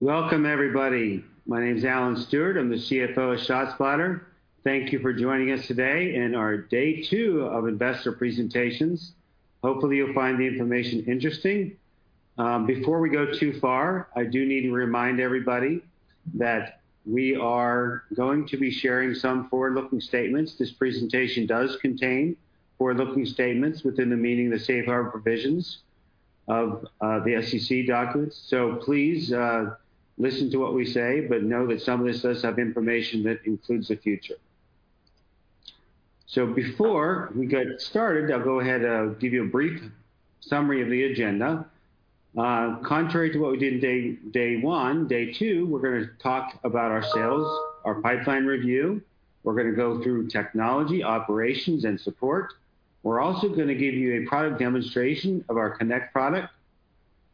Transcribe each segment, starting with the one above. Welcome everybody. My name's Alan Stewart, I'm the CFO of ShotSpotter. Thank you for joining us today in our day two of investor presentations. Hopefully, you'll find the information interesting. Before we go too far, I do need to remind everybody that we are going to be sharing some forward-looking statements. This presentation does contain forward-looking statements within the meaning of the safe harbor provisions of the SEC documents. Please, listen to what we say, but know that some of this does have information that includes the future. Before we get started, I'll go ahead give you a brief summary of the agenda. Contrary to what we did in day one, day two, we're going to talk about our sales, our pipeline review. We're going to go through technology, operations, and support. We're also going to give you a product demonstration of our Connect product.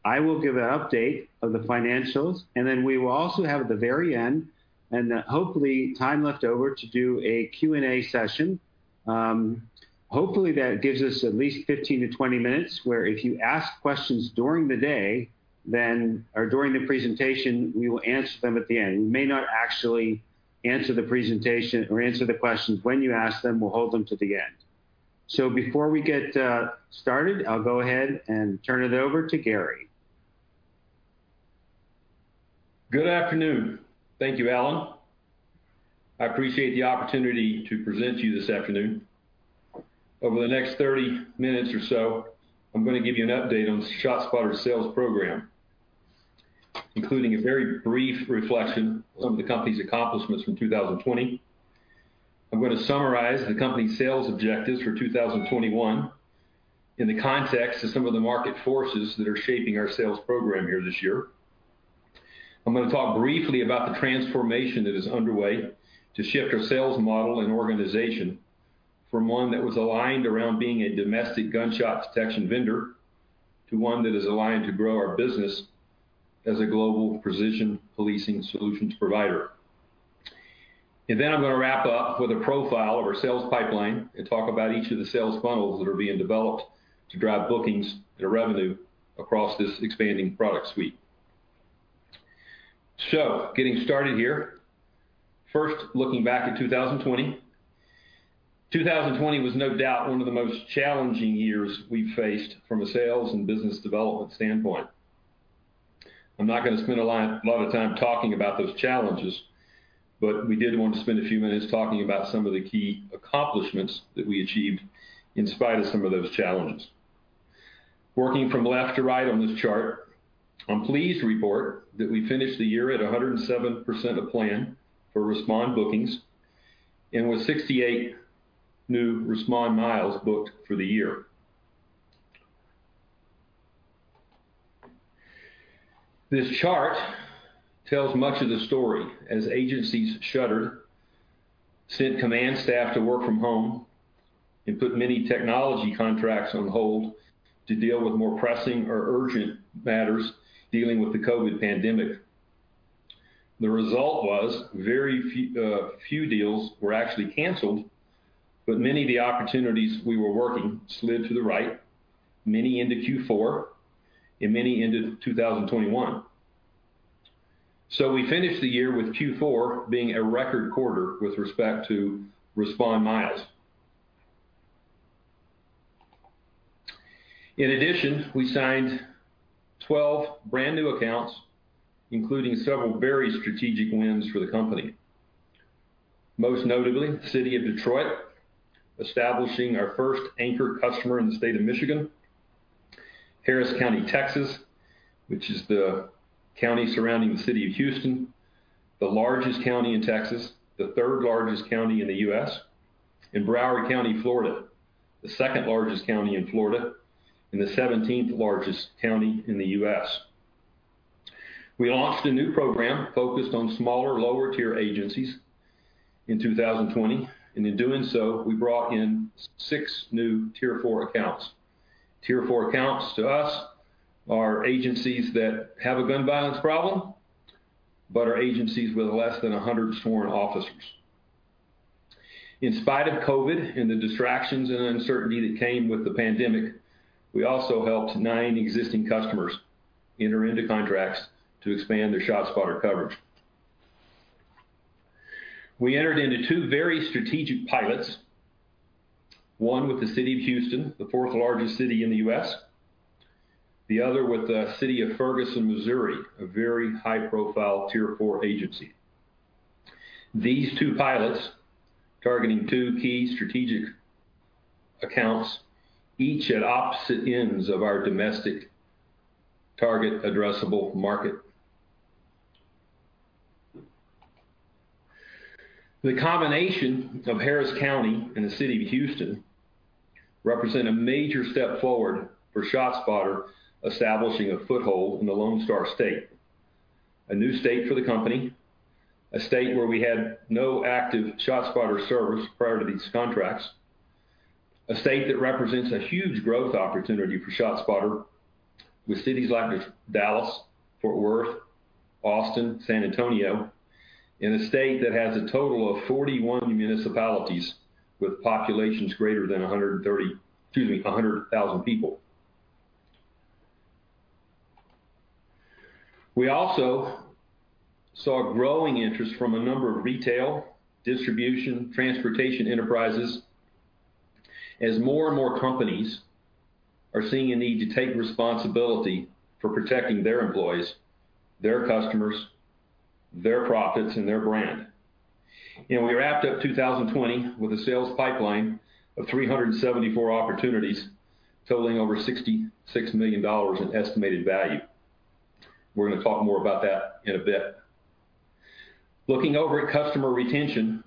I will give an update of the financials, and then we will also have, at the very end, and hopefully time left over to do a Q&A session. Hopefully that gives us at least 15 to 20 minutes, where if you ask questions during the day or during the presentation, we will answer them at the end. We may not actually answer the presentation or answer the questions when you ask them, we'll hold them to the end. Before we get started, I'll go ahead and turn it over to Gary. Good afternoon. Thank you, Alan. I appreciate the opportunity to present to you this afternoon. Over the next 30 minutes or so, I'm going to give you an update on ShotSpotter's sales program, including a very brief reflection on the company's accomplishments from 2020. I'm going to summarize the company's sales objectives for 2021 in the context of some of the market forces that are shaping our sales program here this year. I'm going to talk briefly about the transformation that is underway to shift our sales model and organization from one that was aligned around being a domestic gunshot detection vendor to one that is aligned to grow our business as a global Precision Policing solutions provider. I'm going to wrap up with a profile of our sales pipeline and talk about each of the sales funnels that are being developed to drive bookings and revenue across this expanding product suite. Getting started here. Looking back at 2020. 2020 was no doubt one of the most challenging years we've faced from a sales and business development standpoint. I'm not going to spend a lot of time talking about those challenges, we did want to spend a few minutes talking about some of the key accomplishments that we achieved in spite of some of those challenges. Working from left to right on this chart, I'm pleased to report that we finished the year at 107% of plan for Respond bookings and with 68 new Respond miles booked for the year. This chart tells much of the story as agencies shuttered, sent command staff to work from home, and put many technology contracts on hold to deal with more pressing or urgent matters dealing with the COVID pandemic. The result was very few deals were actually canceled, but many of the opportunities we were working slid to the right, many into Q4 and many into 2021. We finished the year with Q4 being a record quarter with respect to Respond miles. In addition, we signed 12 brand new accounts, including several very strategic wins for the company. Most notably, City of Detroit, establishing our first anchor customer in the state of Michigan. Harris County, Texas, which is the county surrounding the city of Houston, the largest county in Texas, the third-largest county in the U.S., and Broward County, Florida, the second-largest county in Florida, and the 17th largest county in the U.S. We launched a new program focused on smaller, lower-tier agencies in 2020, and in doing so, we brought in six new Tier four accounts. Tier four accounts to us are agencies that have a gun violence problem, but are agencies with less than 100 sworn officers. In spite of COVID and the distractions and uncertainty that came with the pandemic, we also helped nine existing customers enter into contracts to expand their ShotSpotter coverage. We entered into two very strategic pilots, one with the City of Houston, the fourth-largest city in the U.S., the other with the City of Ferguson, Missouri, a very high-profile Tier four agency. These two pilots targeting two key strategic accounts, each at opposite ends of our domestic target addressable market. The combination of Harris County and the City of Houston represent a major step forward for ShotSpotter establishing a foothold in the Lone Star State. A new state for the company, a state where we had no active ShotSpotter service prior to these contracts, a state that represents a huge growth opportunity for ShotSpotter with cities like Dallas, Fort Worth, Austin, San Antonio, in a state that has a total of 41 municipalities with populations greater than 100,000 people. We also saw growing interest from a number of retail, distribution, transportation enterprises as more and more companies are seeing a need to take responsibility for protecting their employees, their customers, their profits, and their brand. We wrapped up 2020 with a sales pipeline of 374 opportunities totaling over $66 million in estimated value. We're going to talk more about that in a bit. Looking over at customer retention,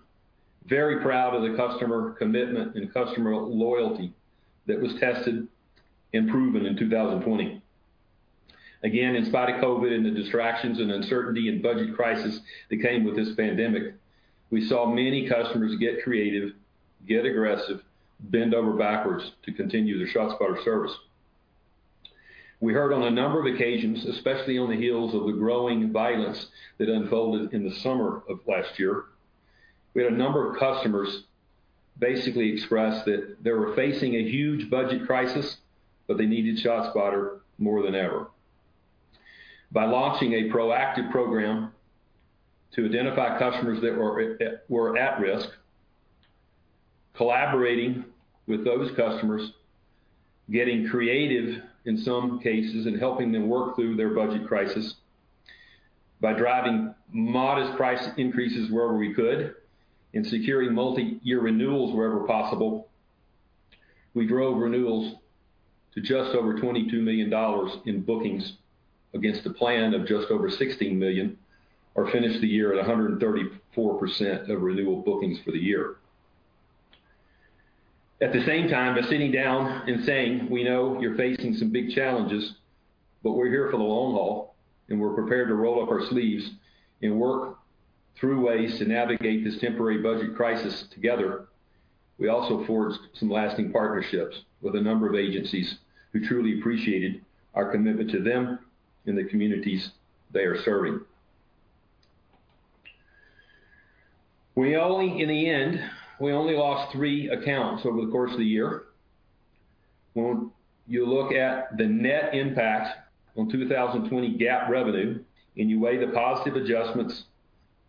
very proud of the customer commitment and customer loyalty that was tested and proven in 2020. Again, in spite of COVID and the distractions and uncertainty and budget crisis that came with this pandemic, we saw many customers get creative, get aggressive, bend over backwards to continue their ShotSpotter service. We heard on a number of occasions, especially on the heels of the growing violence that unfolded in the summer of last year, we had a number of customers basically express that they were facing a huge budget crisis, but they needed ShotSpotter more than ever. By launching a proactive program to identify customers that were at risk, collaborating with those customers, getting creative in some cases, and helping them work through their budget crisis by driving modest price increases wherever we could and securing multi-year renewals wherever possible, we drove renewals to just over $22 million in bookings against a plan of just over $16 million, or finished the year at 134% of renewal bookings for the year. At the same time, by sitting down and saying, "We know you're facing some big challenges, but we're here for the long haul, and we're prepared to roll up our sleeves and work through ways to navigate this temporary budget crisis together," we also forged some lasting partnerships with a number of agencies who truly appreciated our commitment to them and the communities they are serving. In the end, we only lost three accounts over the course of the year. When you look at the net impact on 2020 GAAP revenue, and you weigh the positive adjustments,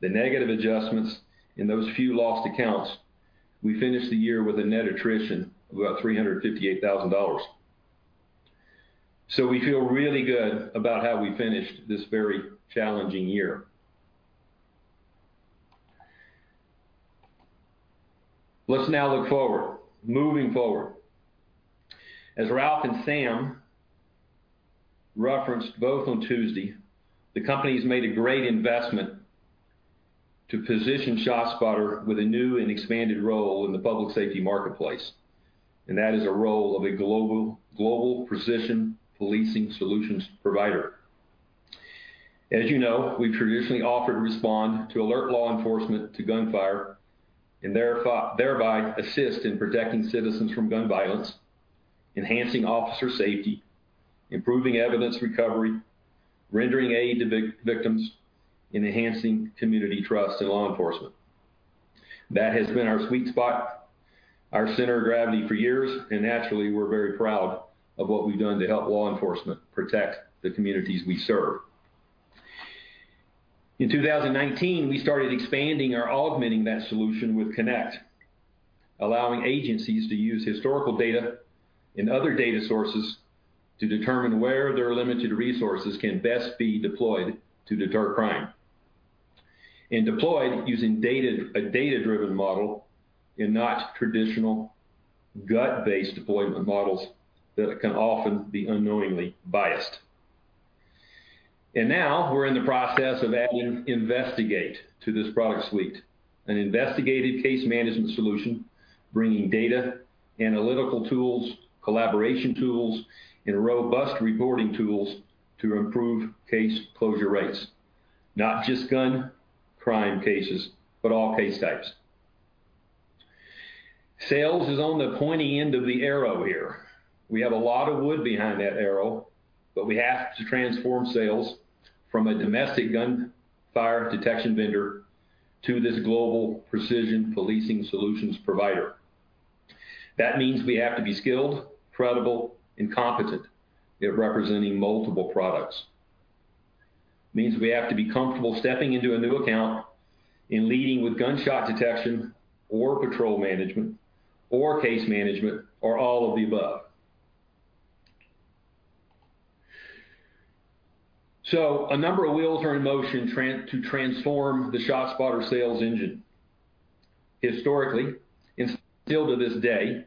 the negative adjustments in those few lost accounts, we finished the year with a net attrition of about $358,000. We feel really good about how we finished this very challenging year. Let's now look forward. Moving forward. As Ralph and Sam referenced both on Tuesday, the company's made a great investment to position ShotSpotter with a new and expanded role in the public safety marketplace, and that is a role of a global Precision Policing solutions provider. As you know, we've traditionally offered Respond to alert law enforcement to gunfire and thereby assist in protecting citizens from gun violence, enhancing officer safety, improving evidence recovery, rendering aid to victims, and enhancing community trust in law enforcement. That has been our sweet spot, our center of gravity for years. Naturally, we're very proud of what we've done to help law enforcement protect the communities we serve. In 2019, we started expanding or augmenting that solution with Connect, allowing agencies to use historical data and other data sources to determine where their limited resources can best be deployed to deter crime. Deployed using a data-driven model and not traditional gut-based deployment models that can often be unknowingly biased. Now we're in the process of adding Investigate to this product suite, an investigative case management solution bringing data, analytical tools, collaboration tools, and robust reporting tools to improve case closure rates. Not just gun crime cases, all case types. Sales is on the pointy end of the arrow here. We have a lot of wood behind that arrow. We have to transform sales from a domestic gunfire detection vendor to this global Precision Policing solutions provider. That means we have to be skilled, credible, and competent at representing multiple products. It means we have to be comfortable stepping into a new account and leading with gunshot detection or patrol management or case management, or all of the above. A number of wheels are in motion to transform the ShotSpotter sales engine. Historically, and still to this day,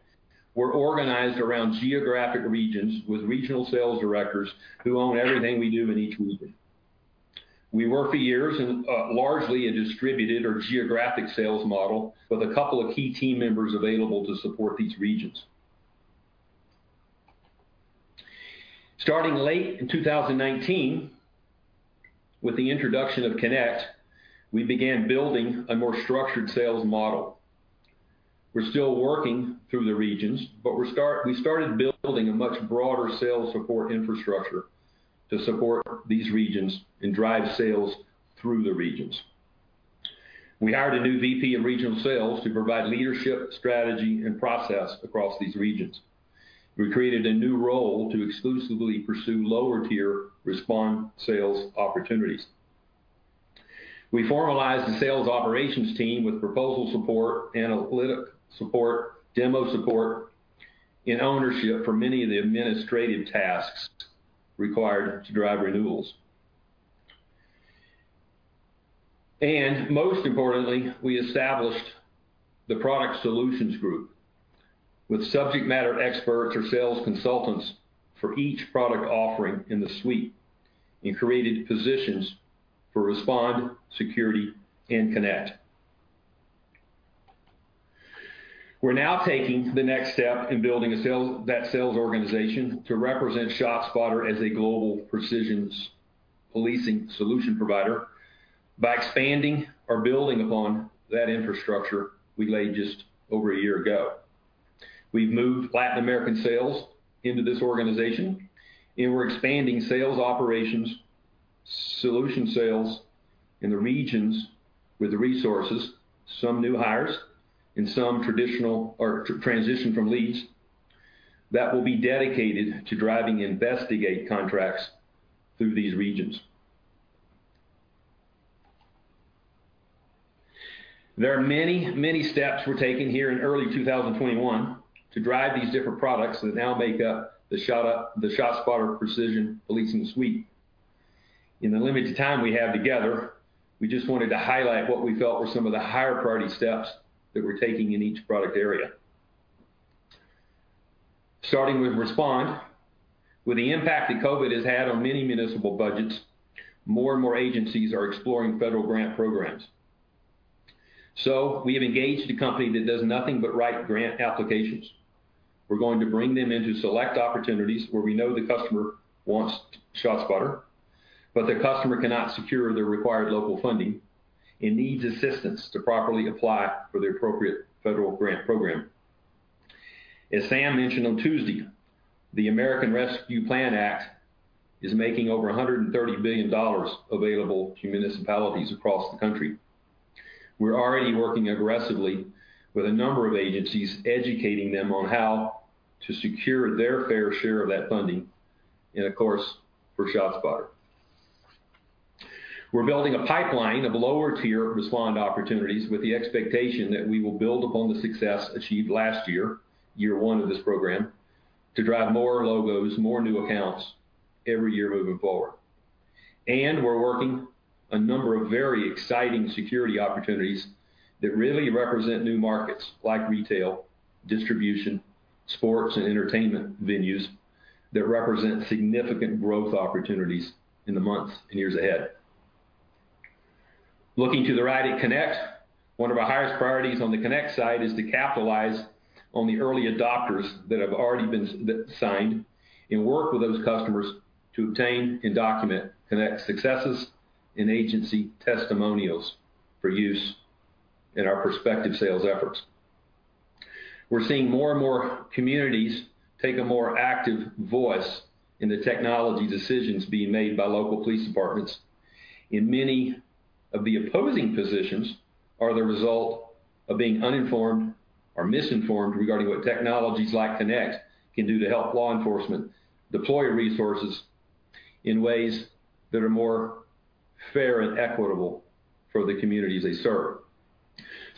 we're organized around geographic regions with regional sales directors who own everything we do in each region. We worked for years in largely a distributed or geographic sales model with a couple of key team members available to support these regions. Starting late in 2019 with the introduction of Connect, we began building a more structured sales model. We're still working through the regions, but we started building a much broader sales support infrastructure to support these regions and drive sales through the regions. We hired a new VP of regional sales to provide leadership, strategy, and process across these regions. We created a new role to exclusively pursue lower-tier Respond sales opportunities. We formalized the sales operations team with proposal support, analytic support, demo support, and ownership for many of the administrative tasks required to drive renewals. Most importantly, we established the product solutions group with subject matter experts or sales consultants for each product offering in the suite, and created positions for Respond, Security, and Connect. We're now taking the next step in building that sales organization to represent ShotSpotter as a global precision policing solution provider by expanding or building upon that infrastructure we laid just over a year ago. We've moved Latin American sales into this organization, we're expanding sales operations, solution sales in the regions with the resources, some new hires, and some traditional or transition from LEEDs that will be dedicated to driving Investigate contracts through these regions. There are many steps we're taking here in early 2021 to drive these different products that now make up the ShotSpotter Precision Policing suite. In the limited time we have together, we just wanted to highlight what we felt were some of the higher priority steps that we're taking in each product area. Starting with Respond, with the impact that COVID has had on many municipal budgets, more and more agencies are exploring federal grant programs. We have engaged a company that does nothing but write grant applications. We're going to bring them into select opportunities where we know the customer wants ShotSpotter, but the customer cannot secure the required local funding, and needs assistance to properly apply for the appropriate federal grant program. As Sam mentioned on Tuesday, the American Rescue Plan Act is making over $130 billion available to municipalities across the country. We're already working aggressively with a number of agencies, educating them on how to secure their fair share of that funding, and of course, for ShotSpotter. We're building a pipeline of lower-tier Respond opportunities with the expectation that we will build upon the success achieved last year one of this program, to drive more logos, more new accounts every year moving forward. We're working a number of very exciting security opportunities that really represent new markets like retail, distribution, sports, and entertainment venues that represent significant growth opportunities in the months and years ahead. Looking to the right at Connect, one of our highest priorities on the Connect side is to capitalize on the early adopters that have already been signed, and work with those customers to obtain and document Connect successes and agency testimonials for use in our prospective sales efforts. We're seeing more and more communities take a more active voice in the technology decisions being made by local police departments, and many of the opposing positions are the result of being uninformed or misinformed regarding what technologies like Connect can do to help law enforcement deploy resources in ways that are more fair and equitable for the communities they serve.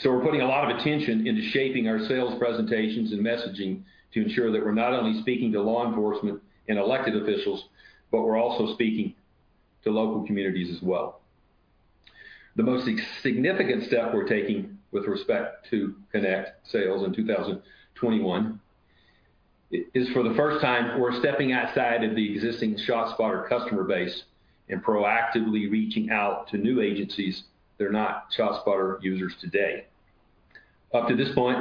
We're putting a lot of attention into shaping our sales presentations and messaging to ensure that we're not only speaking to law enforcement and elected officials, but we're also speaking to local communities as well. The most significant step we're taking with respect to Connect sales in 2021 is for the first time, we're stepping outside of the existing ShotSpotter customer base and proactively reaching out to new agencies that are not ShotSpotter users today. Up to this point,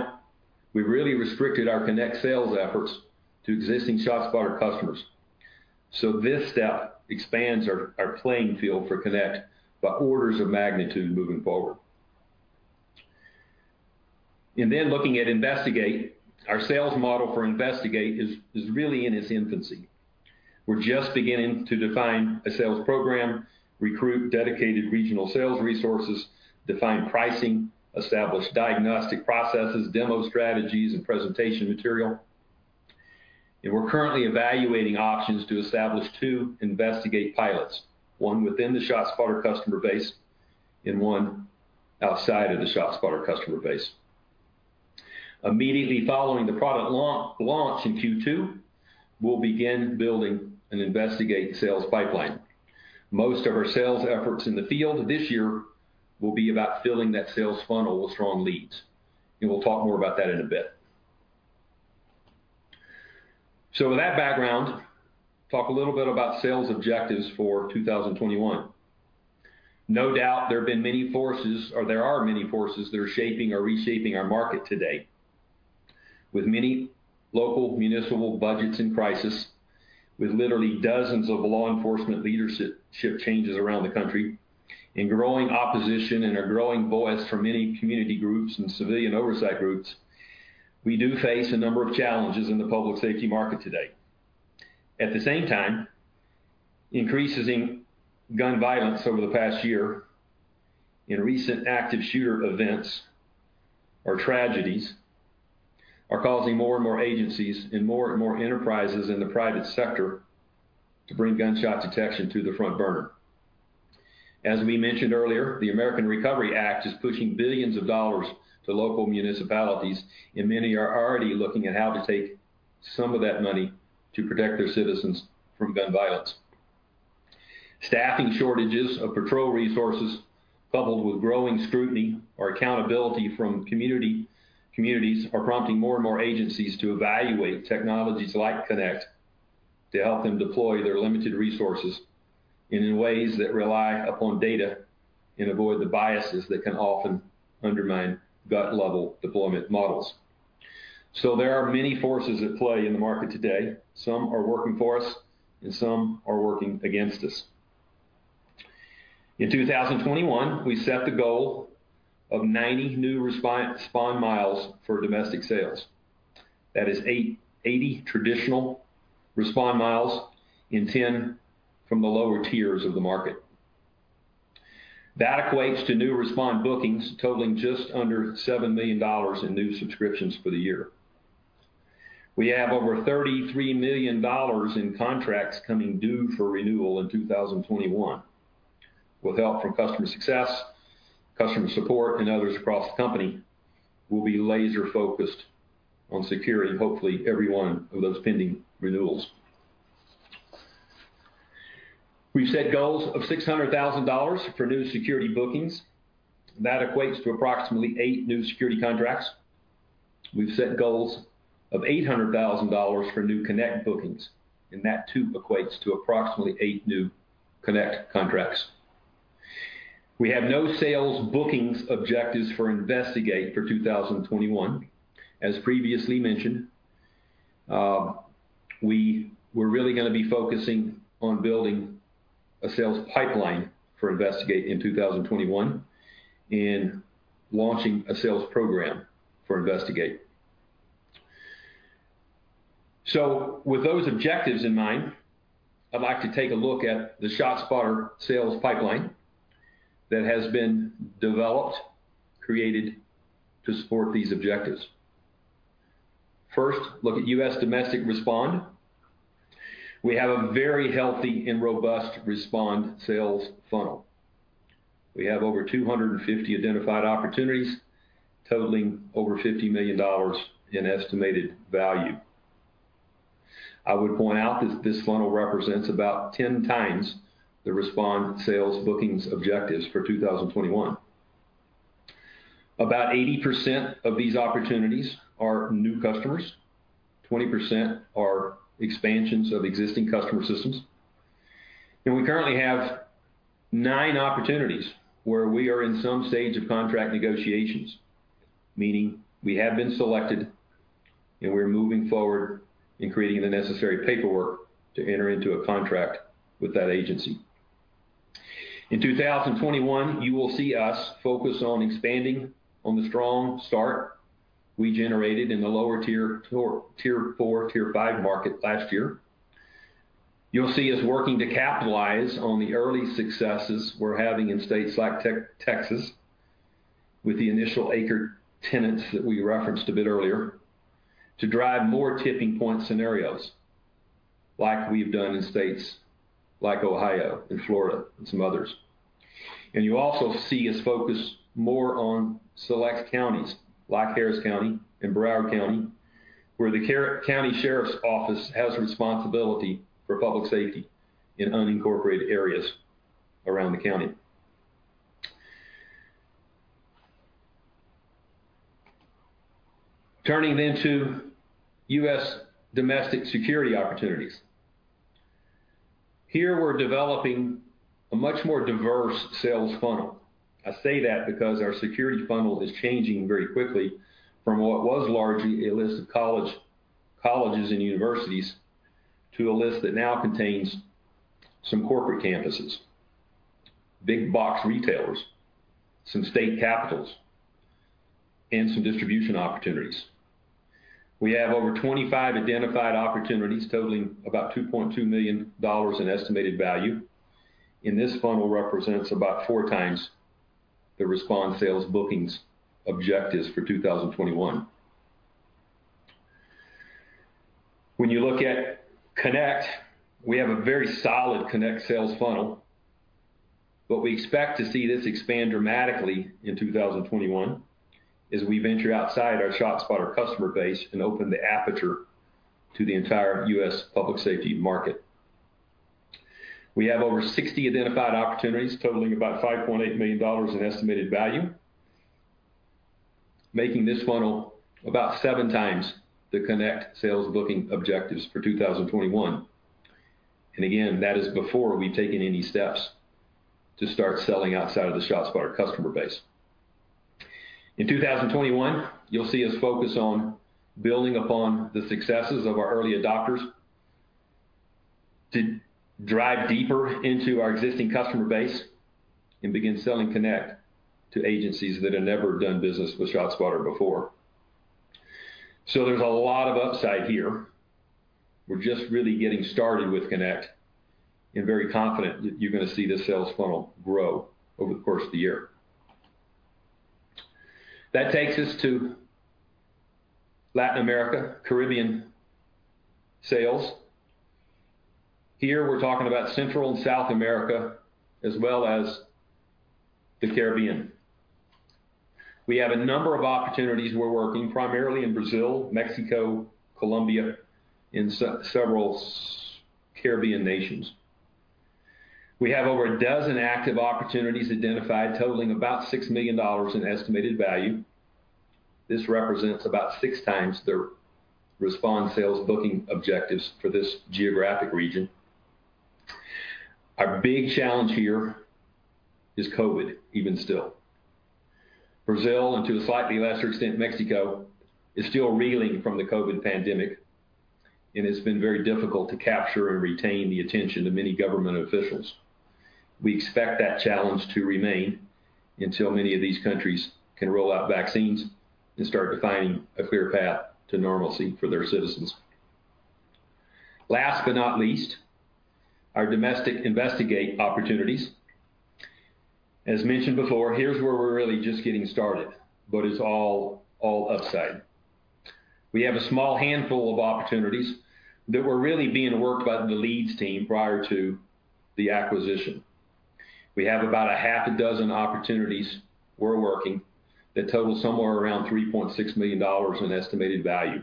we've really restricted our Connect sales efforts to existing ShotSpotter customers. This step expands our playing field for Connect by orders of magnitude moving forward. Looking at Investigate, our sales model for Investigate is really in its infancy. We're just beginning to define a sales program, recruit dedicated regional sales resources, define pricing, establish diagnostic processes, demo strategies, and presentation material. We're currently evaluating options to establish two Investigate pilots, one within the ShotSpotter customer base, and one outside of the ShotSpotter customer base. Immediately following the product launch in Q2, we'll begin building an Investigate sales pipeline. Most of our sales efforts in the field this year will be about filling that sales funnel with strong leads, and we'll talk more about that in a bit. With that background, talk a little bit about sales objectives for 2021. No doubt there have been many forces, or there are many forces that are shaping or reshaping our market today. With many local municipal budgets in crisis, with literally dozens of law enforcement leadership changes around the country, and growing opposition and a growing voice for many community groups and civilian oversight groups, we do face a number of challenges in the public safety market today. At the same time, increases in gun violence over the past year in recent active shooter events or tragedies are causing more and more agencies and more and more enterprises in the private sector to bring gunshot detection to the front burner. As we mentioned earlier, the American Rescue Plan Act is pushing $ billions to local municipalities, and many are already looking at how to take some of that money to protect their citizens from gun violence. Staffing shortages of patrol resources, coupled with growing scrutiny or accountability from communities, are prompting more and more agencies to evaluate technologies like Connect to help them deploy their limited resources in ways that rely upon data and avoid the biases that can often undermine gut-level deployment models. There are many forces at play in the market today. Some are working for us, and some are working against us. In 2021, we set the goal of 90 new Respond miles for domestic sales. That is 80 traditional Respond miles and 10 from the lower tiers of the market. That equates to new Respond bookings totaling just under $7 million in new subscriptions for the year. We have over $33 million in contracts coming due for renewal in 2021. With help from customer success, customer support, and others across the company, we'll be laser-focused on securing, hopefully, every one of those pending renewals. We've set goals of $600,000 for new Security bookings. That equates to approximately eight new Security contracts. We've set goals of $800,000 for new Connect bookings, and that too equates to approximately eight new Connect contracts. We have no sales bookings objectives for Investigate for 2021. As previously mentioned, we're really going to be focusing on building a sales pipeline for Investigate in 2021 and launching a sales program for Investigate. With those objectives in mind, I'd like to take a look at the ShotSpotter sales pipeline that has been developed, created to support these objectives. First, look at U.S. domestic Respond. We have a very healthy and robust Respond sales funnel. We have over 250 identified opportunities totaling over $50 million in estimated value. I would point out that this funnel represents about 10x the Respond sales bookings objectives for 2021. About 80% of these opportunities are new customers, 20% are expansions of existing customer systems. We currently have nine opportunities where we are in some stage of contract negotiations, meaning we have been selected and we're moving forward in creating the necessary paperwork to enter into a contract with that agency. In 2021, you will see us focus on expanding on the strong start we generated in the lower Tier four, Tier five market last year. You'll see us working to capitalize on the early successes we're having in states like Texas with the initial anchor tenants that we referenced a bit earlier to drive more tipping point scenarios like we've done in states like Ohio and Florida and some others. You'll also see us focus more on select counties like Harris County and Broward County, where the county sheriff's office has responsibility for public safety in unincorporated areas around the county. Turning to U.S. domestic security opportunities. Here we're developing a much more diverse sales funnel. I say that because our security funnel is changing very quickly from what was largely a list of colleges and universities to a list that now contains some corporate campuses, big box retailers, some state capitals, and some distribution opportunities. We have over 25 identified opportunities totaling about $2.2 million in estimated value. This funnel represents about four times the Respond sales bookings objectives for 2021. When you look at Connect, we have a very solid Connect sales funnel, but we expect to see this expand dramatically in 2021 as we venture outside our ShotSpotter customer base and open the aperture to the entire U.S. public safety market. We have over 60 identified opportunities totaling about $5.8 million in estimated value, making this funnel about seven times the Connect sales booking objectives for 2021. Again, that is before we've taken any steps to start selling outside of the ShotSpotter customer base. In 2021, you'll see us focus on building upon the successes of our early adopters to drive deeper into our existing customer base and begin selling Connect to agencies that have never done business with ShotSpotter before. There's a lot of upside here. We're just really getting started with Connect and very confident that you're going to see this sales funnel grow over the course of the year. That takes us to Latin America, Caribbean sales. Here, we're talking about Central and South America as well as the Caribbean. We have a number of opportunities we're working, primarily in Brazil, Mexico, Colombia, and several Caribbean nations. We have over a dozen active opportunities identified totaling about $6 million in estimated value. This represents about six times the Respond sales booking objectives for this geographic region. Our big challenge here is COVID even still. Brazil, to a slightly lesser extent Mexico, is still reeling from the COVID pandemic, and it's been very difficult to capture and retain the attention of many government officials. We expect that challenge to remain until many of these countries can roll out vaccines and start defining a clear path to normalcy for their citizens. Last but not least, our domestic Investigate opportunities. As mentioned before, here's where we're really just getting started, but it's all upside. We have a small handful of opportunities that were really being worked by the LEEDs team prior to the acquisition. We have about a half a dozen opportunities we're working that total somewhere around $3.6 million in estimated value.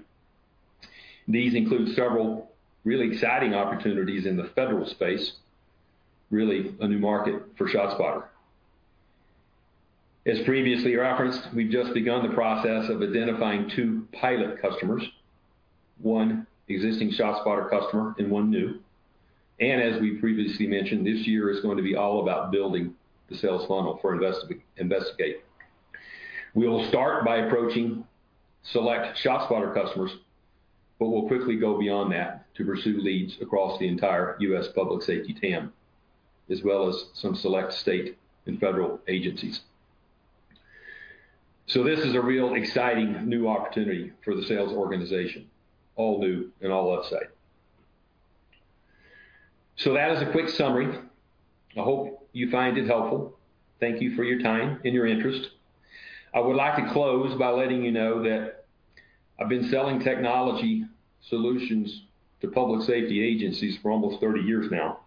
These include several really exciting opportunities in the federal space, really a new market for ShotSpotter. As previously referenced, we've just begun the process of identifying two pilot customers, one existing ShotSpotter customer and one new. As we previously mentioned, this year is going to be all about building the sales funnel for Investigate. We will start by approaching select ShotSpotter customers, but we'll quickly go beyond that to pursue leads across the entire U.S. public safety TAM, as well as some select state and federal agencies. This is a real exciting new opportunity for the sales organization. All new and all upside. That is a quick summary. I hope you find it helpful. Thank you for your time and your interest. I would like to close by letting you know that I've been selling technology solutions to public safety agencies for almost 30 years now.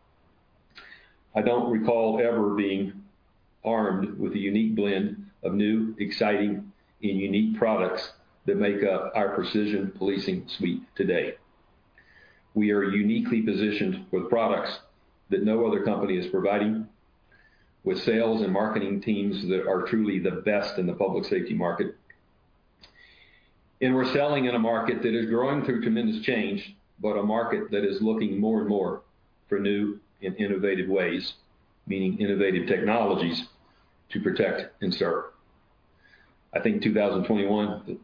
I don't recall ever being armed with a unique blend of new, exciting, and unique products that make up our Precision Policing suite today. We are uniquely positioned with products that no other company is providing, with sales and marketing teams that are truly the best in the public safety market. We're selling in a market that is growing through tremendous change, but a market that is looking more and more for new and innovative ways, meaning innovative technologies, to protect and serve. I think 2021,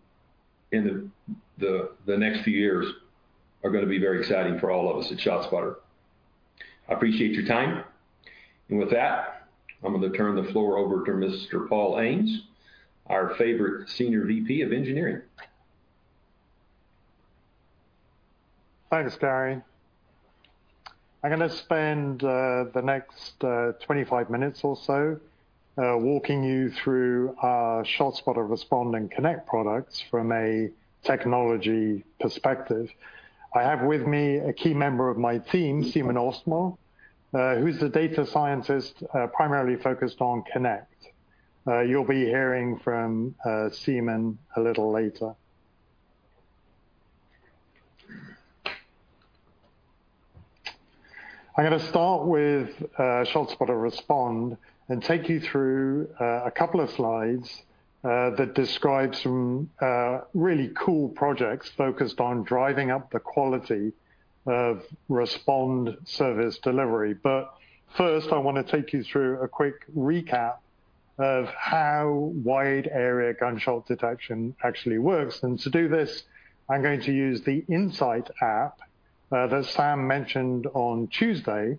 and the next few years are going to be very exciting for all of us at ShotSpotter. I appreciate your time. With that, I'm going to turn the floor over to Mr. Paul Ames, our favorite Senior VP of Engineering. Thanks, Gary. I'm going to spend the next 25 minutes or so walking you through our ShotSpotter Respond and Connect products from a technology perspective. I have with me a key member of my team, Simen Oestmo who's the data scientist primarily focused on Connect. You'll be hearing from Simen a little later. I'm going to start with ShotSpotter Respond and take you through a couple of slides that describe some really cool projects focused on driving up the quality of Respond service delivery. First, I want to take you through a quick recap of how wide area gunshot detection actually works. To do this, I'm going to use the Insight app that Sam mentioned on Tuesday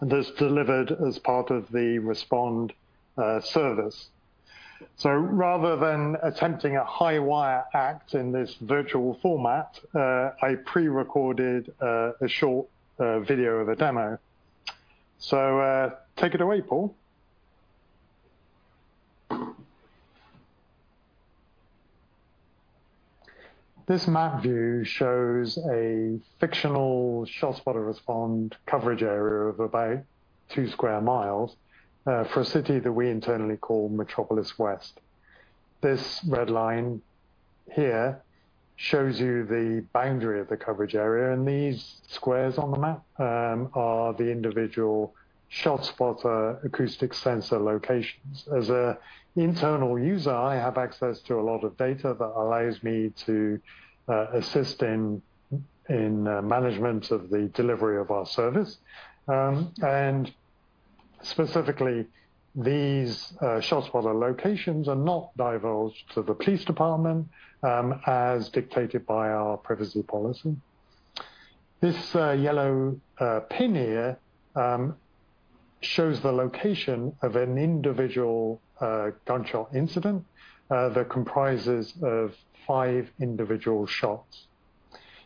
that's delivered as part of the Respond service. Rather than attempting a high wire act in this virtual format, I pre-recorded a short video of a demo. Take it away, Paul. This map view shows a fictional ShotSpotter Respond coverage area of about two square miles for a city that we internally call Metropolis West. This red line here shows you the boundary of the coverage area, and these squares on the map are the individual ShotSpotter acoustic sensor locations. As an internal user, I have access to a lot of data that allows me to assist in management of the delivery of our service, and specifically, these ShotSpotter locations are not divulged to the police department as dictated by our privacy policy. This yellow pin here shows the location of an individual gunshot incident that comprises of five individual shots.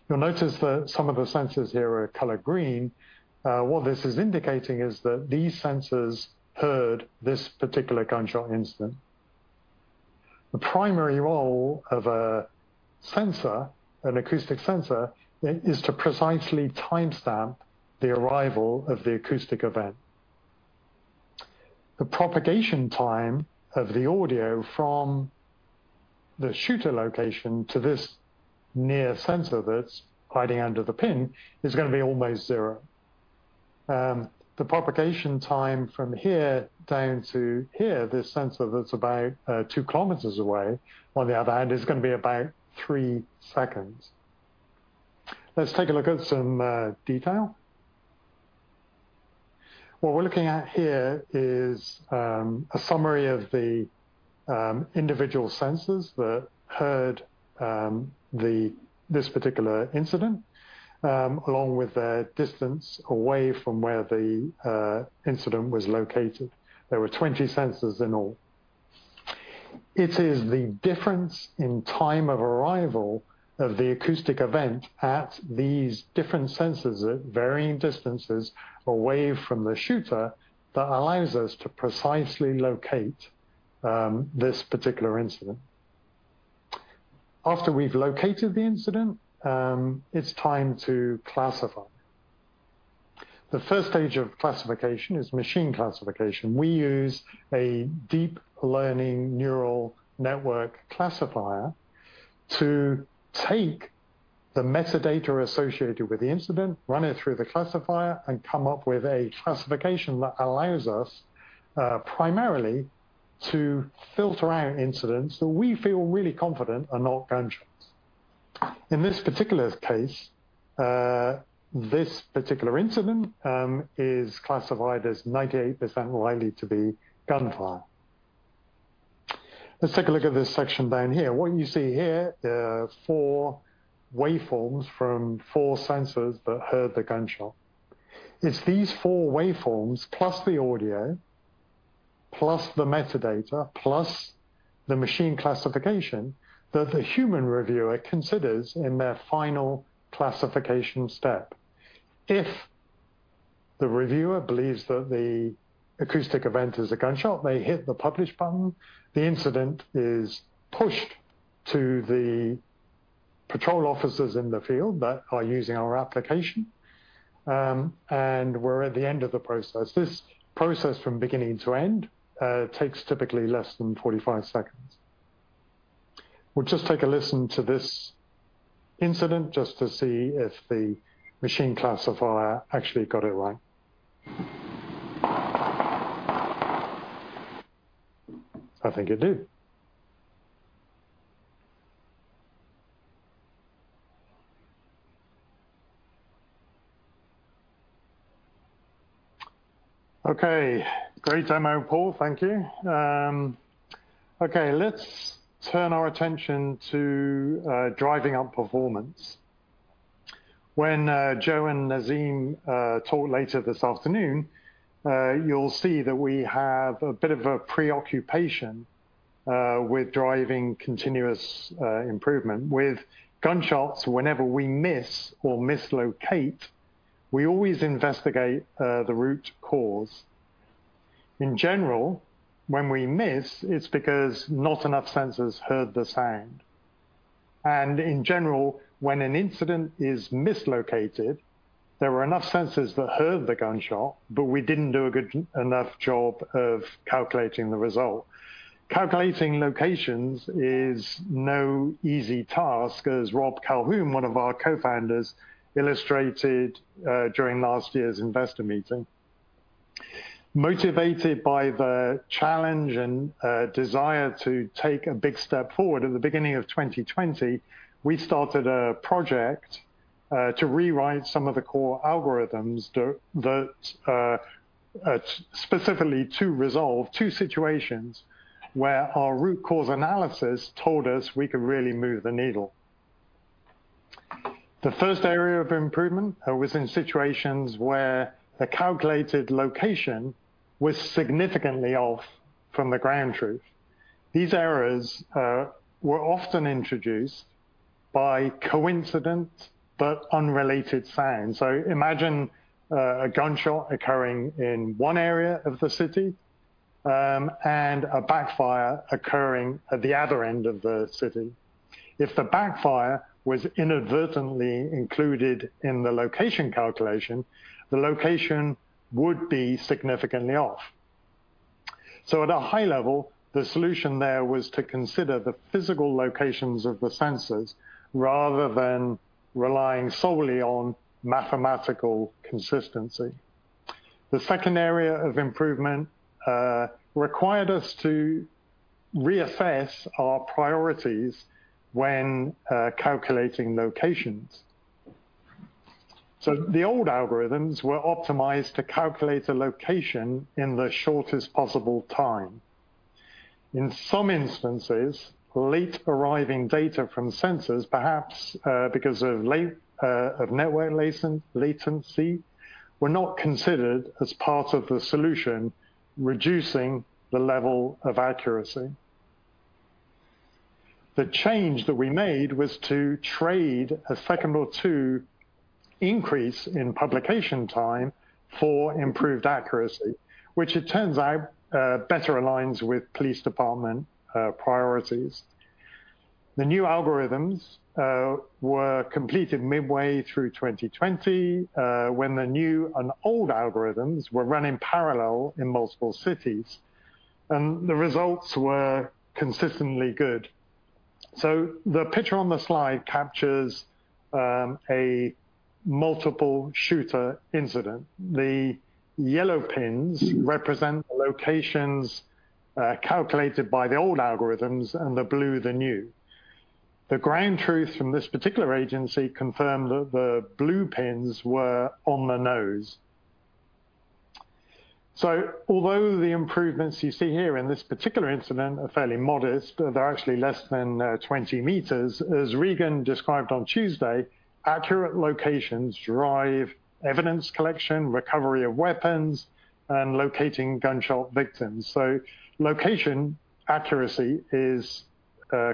You'll notice that some of the sensors here are colored green. What this is indicating is that these sensors heard this particular gunshot incident. The primary role of a sensor, an acoustic sensor, is to precisely timestamp the arrival of the acoustic event. The propagation time of the audio from the shooter location to this near sensor that's hiding under the pin is going to be almost zero. The propagation time from here down to here, this sensor that's about 2 km away, on the other hand, is going to be about three seconds. Let's take a look at some detail. What we're looking at here is a summary of the individual sensors that heard this particular incident, along with their distance away from where the incident was located. There were 20 sensors in all. It is the difference in time of arrival of the acoustic event at these different sensors at varying distances away from the shooter that allows us to precisely locate this particular incident. After we've located the incident, it's time to classify. The first stage of classification is machine classification. We use a deep learning neural network classifier to take the metadata associated with the incident, run it through the classifier, and come up with a classification that allows us primarily to filter out incidents that we feel really confident are not gunshots. In this particular case, this particular incident is classified as 98% likely to be gunfire. Let's take a look at this section down here. What you see here are four waveforms from four sensors that heard the gunshot. It's these four waveforms, plus the audio, plus the metadata, plus the machine classification, that the human reviewer considers in their final classification step. If the reviewer believes that the acoustic event is a gunshot, they hit the publish button. The incident is pushed to the patrol officers in the field that are using our application, and we're at the end of the process. This process from beginning to end takes typically less than 45 seconds. We'll just take a listen to this incident just to see if the machine classifier actually got it right. I think it did. Okay. Great demo, Paul. Thank you. Okay. Let's turn our attention to driving up performance. When Joe and Nasim talk later this afternoon, you'll see that we have a bit of a preoccupation with driving continuous improvement. With gunshots, whenever we miss or mislocate, we always investigate the root cause. In general, when we miss, it's because not enough sensors heard the sound. In general, when an incident is mislocated, there were enough sensors that heard the gunshot, but we didn't do a good enough job of calculating the result. Calculating locations is no easy task, as Rob Calhoun, one of our co-founders, illustrated during last year's investor meeting. Motivated by the challenge and desire to take a big step forward, at the beginning of 2020, we started a project to rewrite some of the core algorithms, specifically to resolve two situations where our root cause analysis told us we could really move the needle. The first area of improvement was in situations where the calculated location was significantly off from the ground truth. These errors were often introduced by coincident, but unrelated sounds. Imagine a gunshot occurring in one area of the city, and a backfire occurring at the other end of the city. If the backfire was inadvertently included in the location calculation, the location would be significantly off. At a high level, the solution there was to consider the physical locations of the sensors rather than relying solely on mathematical consistency. The second area of improvement required us to reassess our priorities when calculating locations. The old algorithms were optimized to calculate a location in the shortest possible time. In some instances, late-arriving data from sensors, perhaps because of network latency, were not considered as part of the solution, reducing the level of accuracy. The change that we made was to trade a second or two increase in publication time for improved accuracy, which it turns out better aligns with police department priorities. The new algorithms were completed midway through 2020, when the new and old algorithms were run in parallel in multiple cities, and the results were consistently good. The picture on the slide captures a multiple shooter incident. The yellow pins represent the locations calculated by the old algorithms and the blue, the new. The ground truth from this particular agency confirmed that the blue pins were on the nose. Although the improvements you see here in this particular incident are fairly modest, they're actually less than 20 m, as Regan described on Tuesday, accurate locations drive evidence collection, recovery of weapons, and locating gunshot victims. Location accuracy is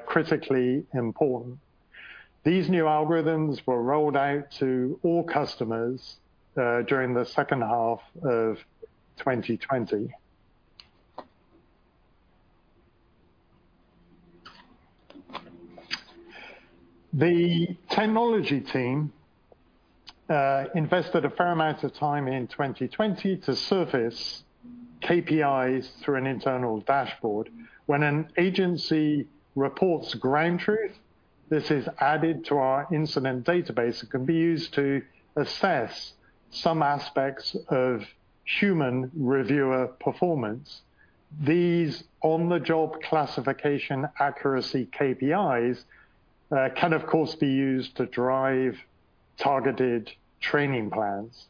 critically important. These new algorithms were rolled out to all customers during the second half of 2020. The technology team invested a fair amount of time in 2020 to surface KPIs through an internal dashboard. When an agency reports ground truth, this is added to our incident database. It can be used to assess some aspects of human reviewer performance. These on-the-job classification accuracy KPIs can, of course, be used to drive targeted training plans.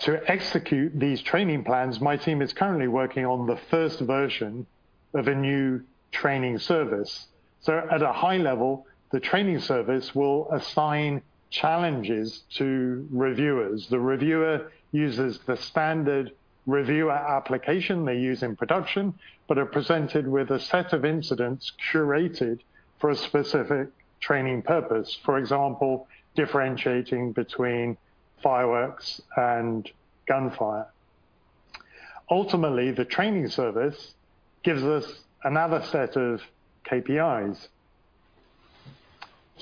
To execute these training plans, my team is currently working on the first version of a new training service. At a high level, the training service will assign challenges to reviewers. The reviewer uses the standard reviewer application they use in production, but are presented with a set of incidents curated for a specific training purpose. For example, differentiating between fireworks and gunfire. Ultimately, the training service gives us another set of KPIs.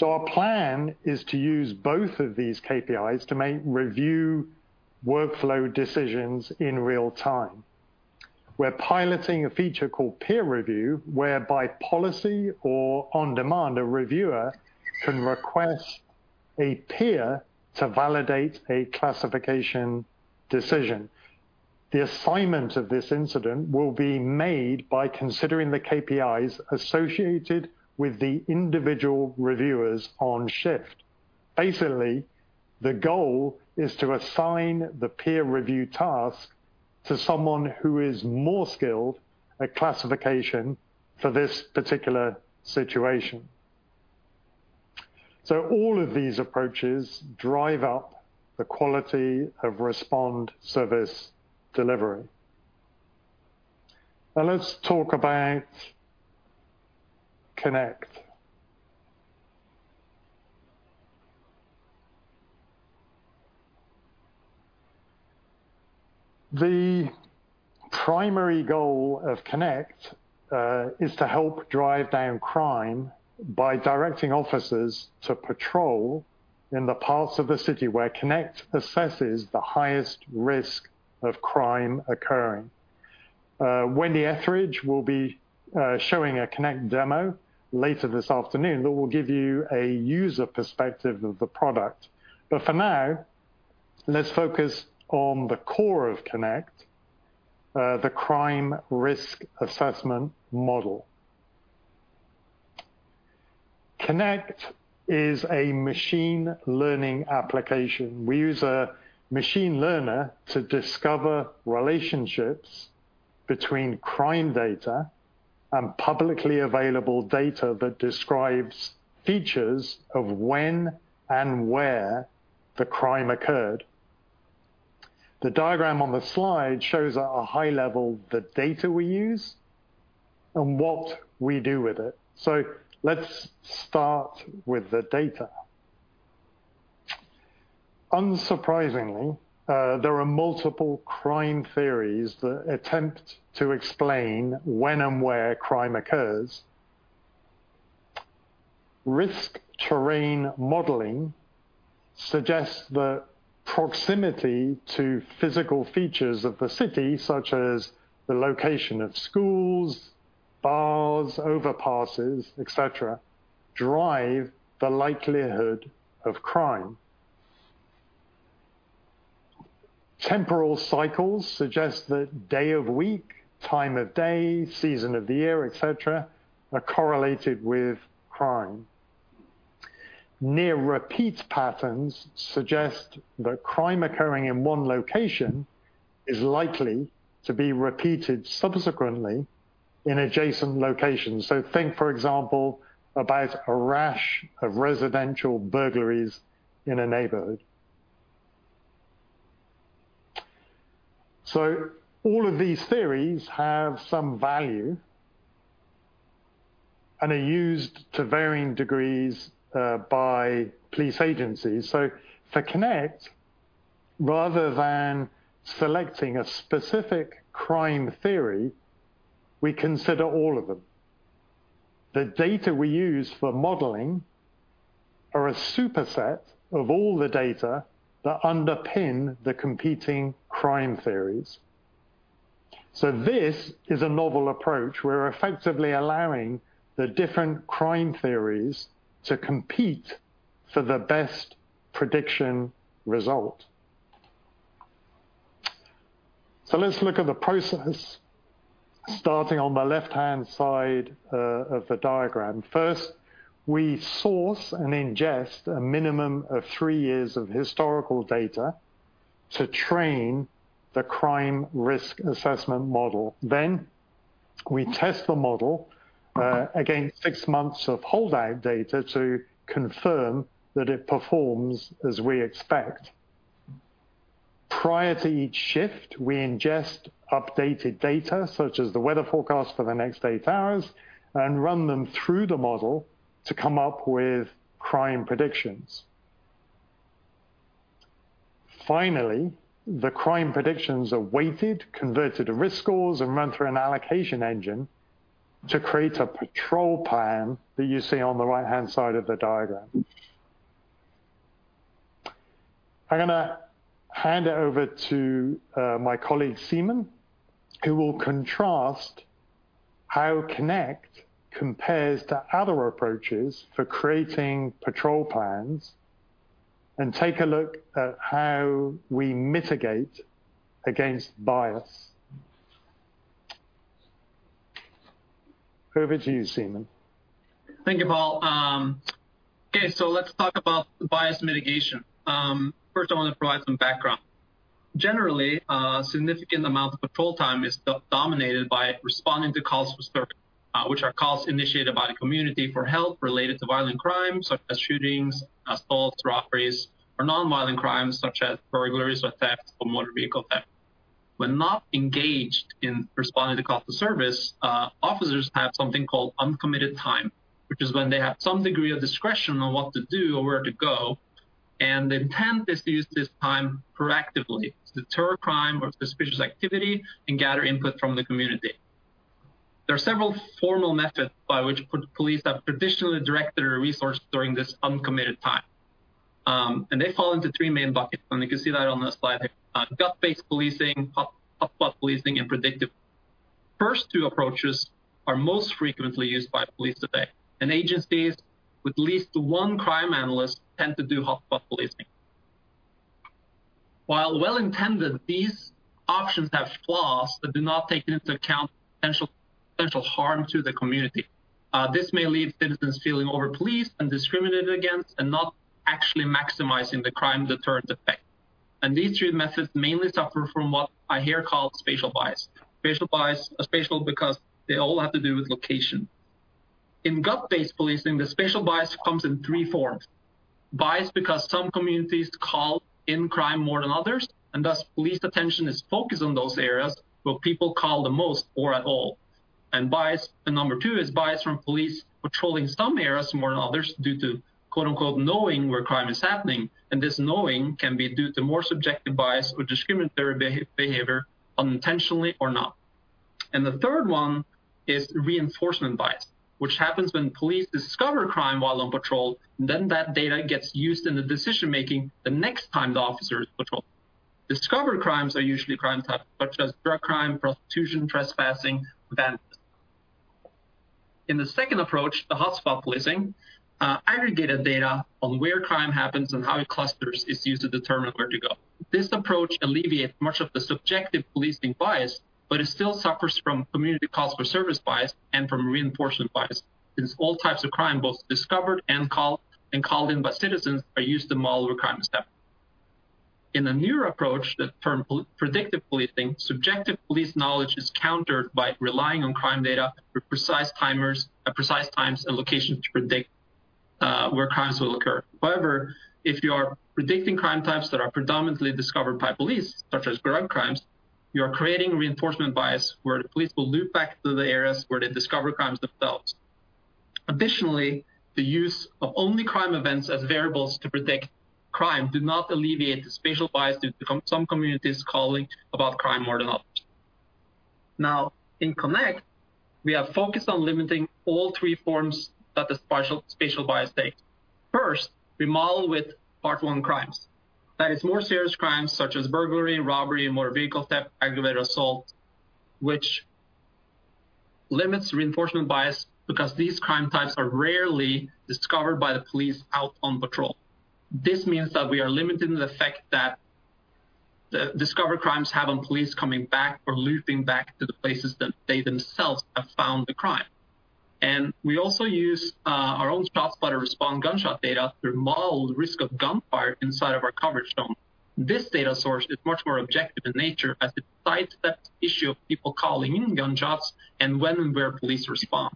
Our plan is to use both of these KPIs to make review workflow decisions in real time. We're piloting a feature called peer review, whereby policy or on-demand, a reviewer can request a peer to validate a classification decision. The assignment of this incident will be made by considering the KPIs associated with the individual reviewers on shift. The goal is to assign the peer review task to someone who is more skilled at classification for this particular situation. All of these approaches drive up the quality of Respond service delivery. Let's talk about Connect. The primary goal of Connect is to help drive down crime by directing officers to patrol in the parts of the city where Connect assesses the highest risk of crime occurring. Wendy Ethridge will be showing a Connect demo later this afternoon that will give you a user perspective of the product. For now, let's focus on the core of Connect, the crime risk assessment model. Connect is a machine learning application. We use a machine learner to discover relationships between crime data and publicly available data that describes features of when and where the crime occurred. The diagram on the slide shows at a high level the data we use and what we do with it. Let's start with the data. Unsurprisingly, there are multiple crime theories that attempt to explain when and where crime occurs. Risk terrain modeling suggests that proximity to physical features of the city, such as the location of schools, bars, overpasses, et cetera, drive the likelihood of crime. Temporal cycles suggest that day of week, time of day, season of the year, et cetera, are correlated with crime. Near repeat patterns suggest that crime occurring in one location is likely to be repeated subsequently in adjacent locations. Think, for example, about a rash of residential burglaries in a neighborhood. All of these theories have some value, and are used to varying degrees by police agencies. For Connect, rather than selecting a specific crime theory, we consider all of them. The data we use for modeling are a superset of all the data that underpin the competing crime theories. This is a novel approach. We're effectively allowing the different crime theories to compete for the best prediction result. Let's look at the process, starting on the left-hand side of the diagram. First, we source and ingest a minimum of three years of historical data to train the crime risk assessment model. We test the model against six months of holdout data to confirm that it performs as we expect. Prior to each shift, we ingest updated data, such as the weather forecast for the next eight hours, and run them through the model to come up with crime predictions. Finally, the crime predictions are weighted, converted to risk scores, and run through an allocation engine to create a patrol plan that you see on the right-hand side of the diagram. I'm going to hand it over to my colleague, Simen, who will contrast how Connect compares to other approaches for creating patrol plans, and take a look at how we mitigate against bias. Over to you, Simen. Thank you, Paul. Okay, let's talk about bias mitigation. First, I want to provide some background. Generally, a significant amount of patrol time is dominated by responding to calls for service, which are calls initiated by the community for help related to violent crimes such as shootings, assaults, robberies, or non-violent crimes such as burglaries, or theft, or motor vehicle theft. When not engaged in responding to calls for service, officers have something called uncommitted time, which is when they have some degree of discretion on what to do or where to go, and the intent is to use this time proactively to deter crime or suspicious activity and gather input from the community. There are several formal methods by which police have traditionally directed their resources during this uncommitted time, they fall into three main buckets. You can see that on the slide here. Gut-based policing, hotspot policing, and predictive. First two approaches are most frequently used by police today, and agencies with at least one crime analyst tend to do hotspot policing. While well-intended, these options have flaws that do not take into account potential harm to the community. This may leave citizens feeling overpoliced and discriminated against, and not actually maximizing the crime deterrent effect. These three methods mainly suffer from what I here call spatial bias. Spatial bias are spatial because they all have to do with location. In gut-based policing, the spatial bias comes in three forms. Bias because some communities call in crime more than others, and thus police attention is focused on those areas where people call the most or at all. Number two is bias from police patrolling some areas more than others due to, quote-unquote, "knowing where crime is happening." This knowing can be due to more subjective bias or discriminatory behavior, unintentionally or not. The third one is reinforcement bias, which happens when police discover crime while on patrol, then that data gets used in the decision-making the next time the officer is patrolling. Discovered crimes are usually crime types such as drug crime, prostitution, trespassing, vandalism. In the second approach, the hotspot policing, aggregated data on where crime happens and how it clusters is used to determine where to go. This approach alleviates much of the subjective policing bias, but it still suffers from community calls for service bias and from reinforcement bias, since all types of crime, both discovered and called in by citizens, are used to model where crime is happening. In the newer approach, the term predictive policing, subjective police knowledge is countered by relying on crime data with precise times and locations to predict where crimes will occur. However, if you are predicting crime types that are predominantly discovered by police, such as drug crimes, you are creating reinforcement bias where the police will loop back to the areas where they discover crimes themselves. The use of only crime events as variables to predict crime do not alleviate the spatial bias due to some communities calling about crime more than others. Now, in Connect, we are focused on limiting all three forms that the spatial bias takes. First, we model with Part I crimes. That is more serious crimes such as burglary, robbery, motor vehicle theft, aggravated assault, which limits reinforcement bias because these crime types are rarely discovered by the police out on patrol. This means that we are limiting the effect that the discovered crimes have on police coming back or looping back to the places that they themselves have found the crime. We also use our own ShotSpotter Respond gunshot data to model the risk of gunfire inside of our coverage zone. This data source is much more objective in nature as it sidesteps the issue of people calling in gunshots and when and where police respond.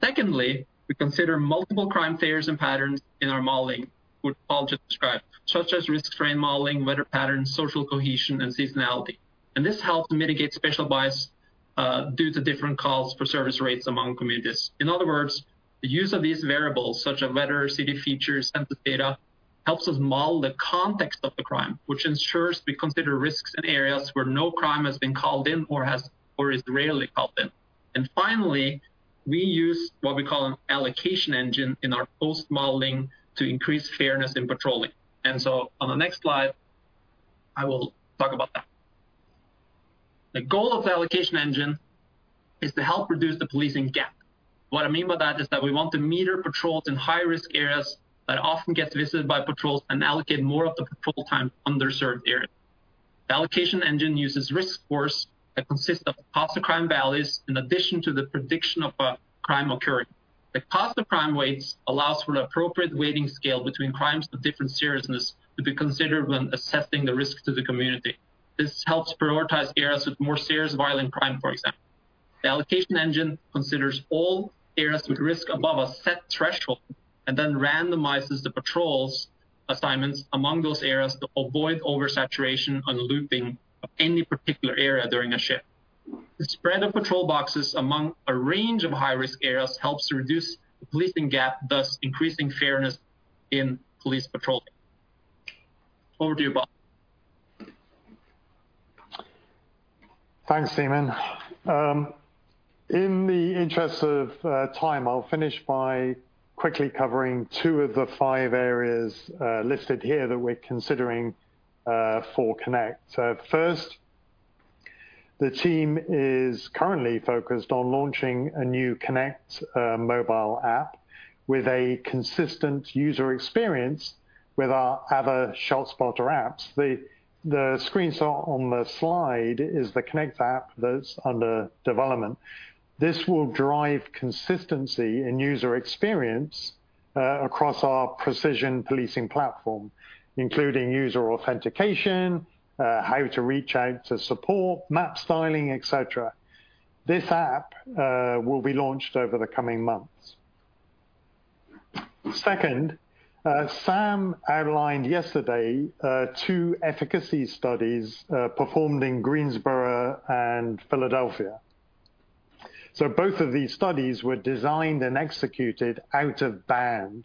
Secondly, we consider multiple crime theories and patterns in our modeling, which Paul just described, such as risk terrain modeling, weather patterns, social cohesion, and seasonality. This helps mitigate spatial bias due to different calls for service rates among communities. In other words, the use of these variables, such as weather, city features, and census data, helps us model the context of the crime, which ensures we consider risks in areas where no crime has been called in or is rarely called in. Finally, we use what we call an allocation engine in our post-modeling to increase fairness in patrolling. On the next slide, I will talk about that. The goal of the allocation engine is to help reduce the policing gap. What I mean by that is that we want to meter patrols in high-risk areas that often get visited by patrols and allocate more of the patrol time to underserved areas. The allocation engine uses risk scores that consist of past crime values in addition to the prediction of a crime occurring. The past crime weights allows for an appropriate weighting scale between crimes of different seriousness to be considered when assessing the risk to the community. This helps prioritize areas with more serious violent crime, for example. The allocation engine considers all areas with risk above a set threshold and then randomizes the patrols' assignments among those areas to avoid oversaturation and looping of any particular area during a shift. The spread of patrol boxes among a range of high-risk areas helps reduce the policing gap, thus increasing fairness in police patrolling. Over to you, Paul. Thanks, Simen. In the interest of time, I'll finish by quickly covering two of the five areas listed here that we're considering for Connect. First, the team is currently focused on launching a new Connect mobile app with a consistent user experience with our other ShotSpotter apps. The screenshot on the slide is the Connect app that's under development. This will drive consistency in user experience across our Precision Policing platform, including user authentication, how to reach out to support, map styling, et cetera. This app will be launched over the coming months. Second, Sam outlined yesterday two efficacy studies performed in Greensboro and Philadelphia. Both of these studies were designed and executed out of band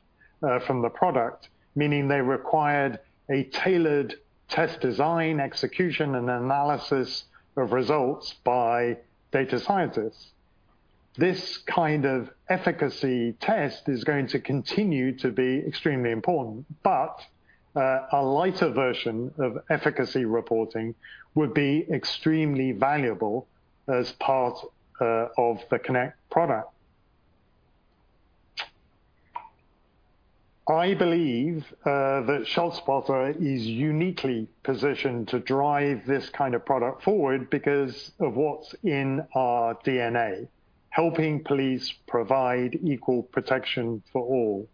from the product, meaning they required a tailored test design, execution, and analysis of results by data scientists. This kind of efficacy test is going to continue to be extremely important. A lighter version of efficacy reporting would be extremely valuable as part of the Connect product. I believe that ShotSpotter is uniquely positioned to drive this kind of product forward because of what's in our DNA: helping police provide equal protection for all.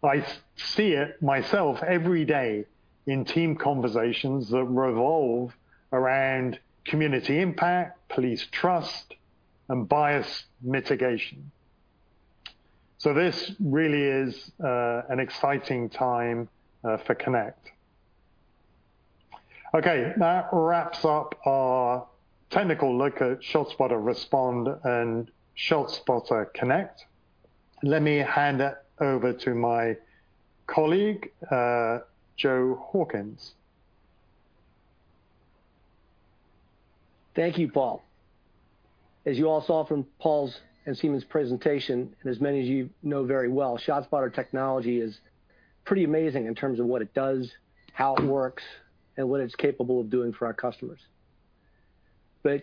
I see it myself every day in team conversations that revolve around community impact, police trust, and bias mitigation. This really is an exciting time for Connect. That wraps up our technical look at ShotSpotter Respond and ShotSpotter Connect. Let me hand it over to my colleague, Joe Hawkins. Thank you, Paul. As you all saw from Paul's and Simen's presentation, and as many of you know very well, ShotSpotter technology is pretty amazing in terms of what it does, how it works, and what it's capable of doing for our customers.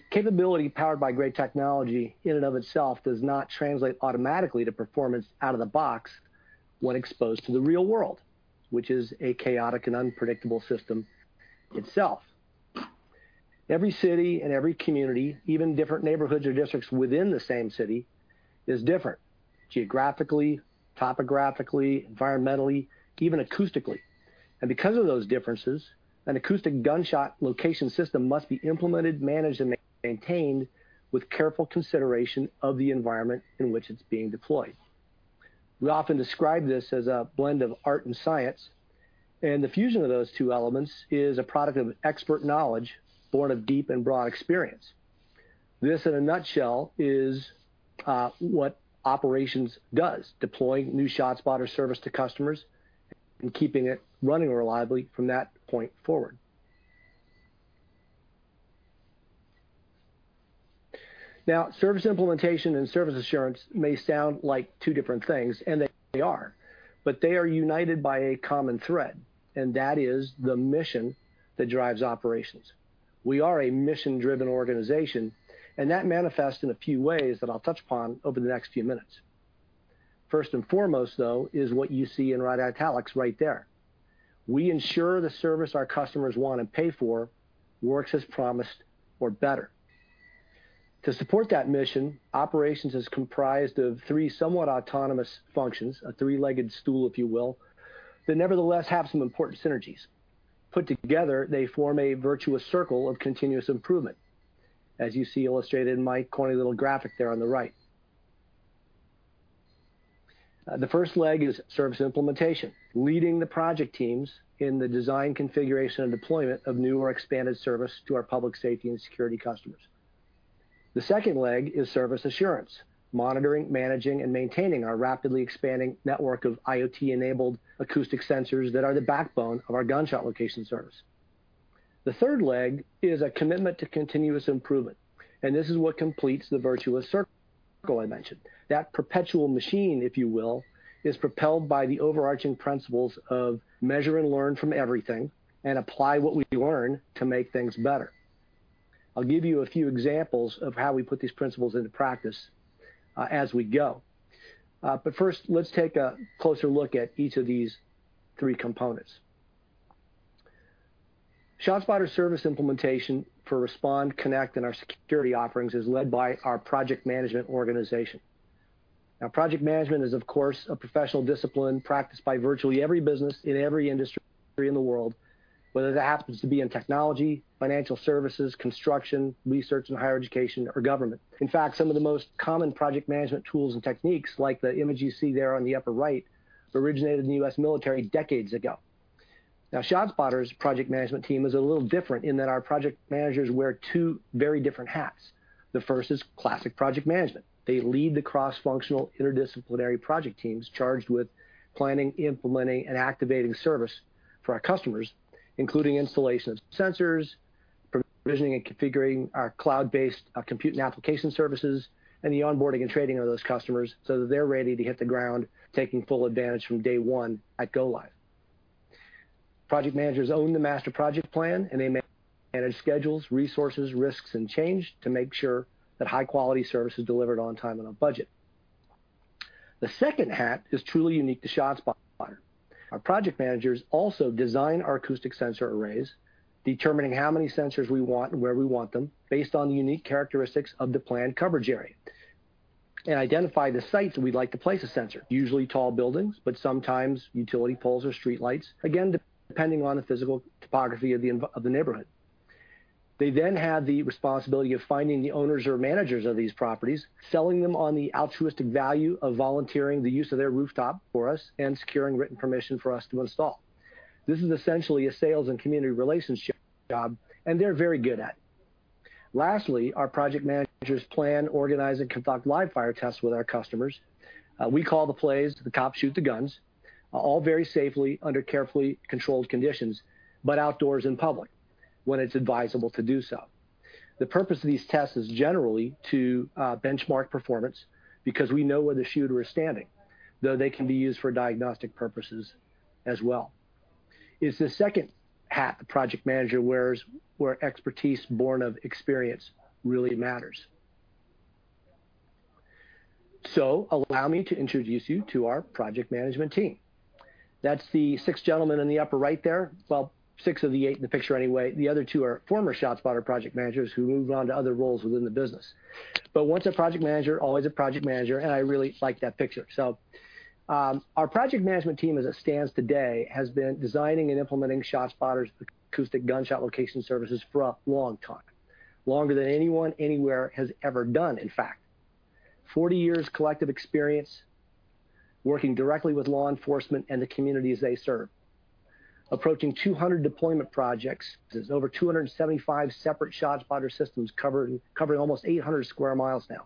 Capability powered by great technology in and of itself does not translate automatically to performance out of the box when exposed to the real world, which is a chaotic and unpredictable system itself. Every city and every community, even different neighborhoods or districts within the same city, is different geographically, topographically, environmentally, even acoustically. Because of those differences, an acoustic gunshot location system must be implemented, managed, and maintained with careful consideration of the environment in which it's being deployed. We often describe this as a blend of art and science, and the fusion of those two elements is a product of expert knowledge born of deep and broad experience. This, in a nutshell, is what operations does, deploying new ShotSpotter service to customers, and keeping it running reliably from that point forward. Now, service implementation and service assurance may sound like two different things, and they are. They are united by a common thread, and that is the mission that drives operations. We are a mission-driven organization, and that manifests in a few ways that I'll touch upon over the next few minutes. First and foremost, though, is what you see in red italics right there. We ensure the service our customers want and pay for works as promised or better. To support that mission, operations is comprised of three somewhat autonomous functions, a three-legged stool, if you will, that nevertheless have some important synergies. Put together, they form a virtuous circle of continuous improvement, as you see illustrated in my corny little graphic there on the right. The first leg is service implementation, leading the project teams in the design, configuration, and deployment of new or expanded service to our public safety and security customers. The second leg is service assurance, monitoring, managing, and maintaining our rapidly expanding network of IoT-enabled acoustic sensors that are the backbone of our gunshot location service. The third leg is a commitment to continuous improvement. This is what completes the virtuous circle I mentioned. That perpetual machine, if you will, is propelled by the overarching principles of measure and learn from everything and apply what we learn to make things better. I'll give you a few examples of how we put these principles into practice as we go. First, let's take a closer look at each of these three components. ShotSpotter service implementation for Respond, Connect, and our Security offerings is led by our project management organization. Project management is, of course, a professional discipline practiced by virtually every business in every industry in the world, whether that happens to be in technology, financial services, construction, research and higher education, or government. In fact, some of the most common project management tools and techniques, like the image you see there on the upper right, originated in the U.S. military decades ago. ShotSpotter's project management team is a little different in that our project managers wear two very different hats. The first is classic project management. They lead the cross-functional, interdisciplinary project teams charged with planning, implementing, and activating service for our customers, including installation of sensors, provisioning and configuring our cloud-based compute and application services, and the onboarding and training of those customers so that they're ready to hit the ground, taking full advantage from day one at go live. Project managers own the master project plan, and they manage schedules, resources, risks, and change to make sure that high-quality service is delivered on time and on budget. The second hat is truly unique to ShotSpotter. Our project managers also design our acoustic sensor arrays, determining how many sensors we want and where we want them based on the unique characteristics of the planned coverage area, and identify the sites that we'd like to place a sensor, usually tall buildings, but sometimes utility poles or streetlights, again, depending on the physical topography of the neighborhood. They have the responsibility of finding the owners or managers of these properties, selling them on the altruistic value of volunteering the use of their rooftop for us, and securing written permission for us to install. This is essentially a sales and community relationship job, and they're very good at it. Lastly, our project managers plan, organize, and conduct live fire tests with our customers. We call the plays, the cops shoot the guns, all very safely under carefully controlled conditions, but outdoors in public when it's advisable to do so. The purpose of these tests is generally to benchmark performance because we know where the shooter is standing, though they can be used for diagnostic purposes as well. It's the second hat the project manager wears where expertise born of experience really matters. Allow me to introduce you to our project management team. That's the six gentlemen in the upper right there. Well, six of the eight in the picture anyway. The other two are former ShotSpotter project managers who moved on to other roles within the business. Once a project manager, always a project manager, and I really like that picture. Our project management team as it stands today has been designing and implementing ShotSpotter's acoustic gunshot location services for a long time, longer than anyone anywhere has ever done, in fact. 40 years collective experience working directly with law enforcement and the communities they serve. Approaching 200 deployment projects. There's over 275 separate ShotSpotter systems covering almost 800 sq mi now.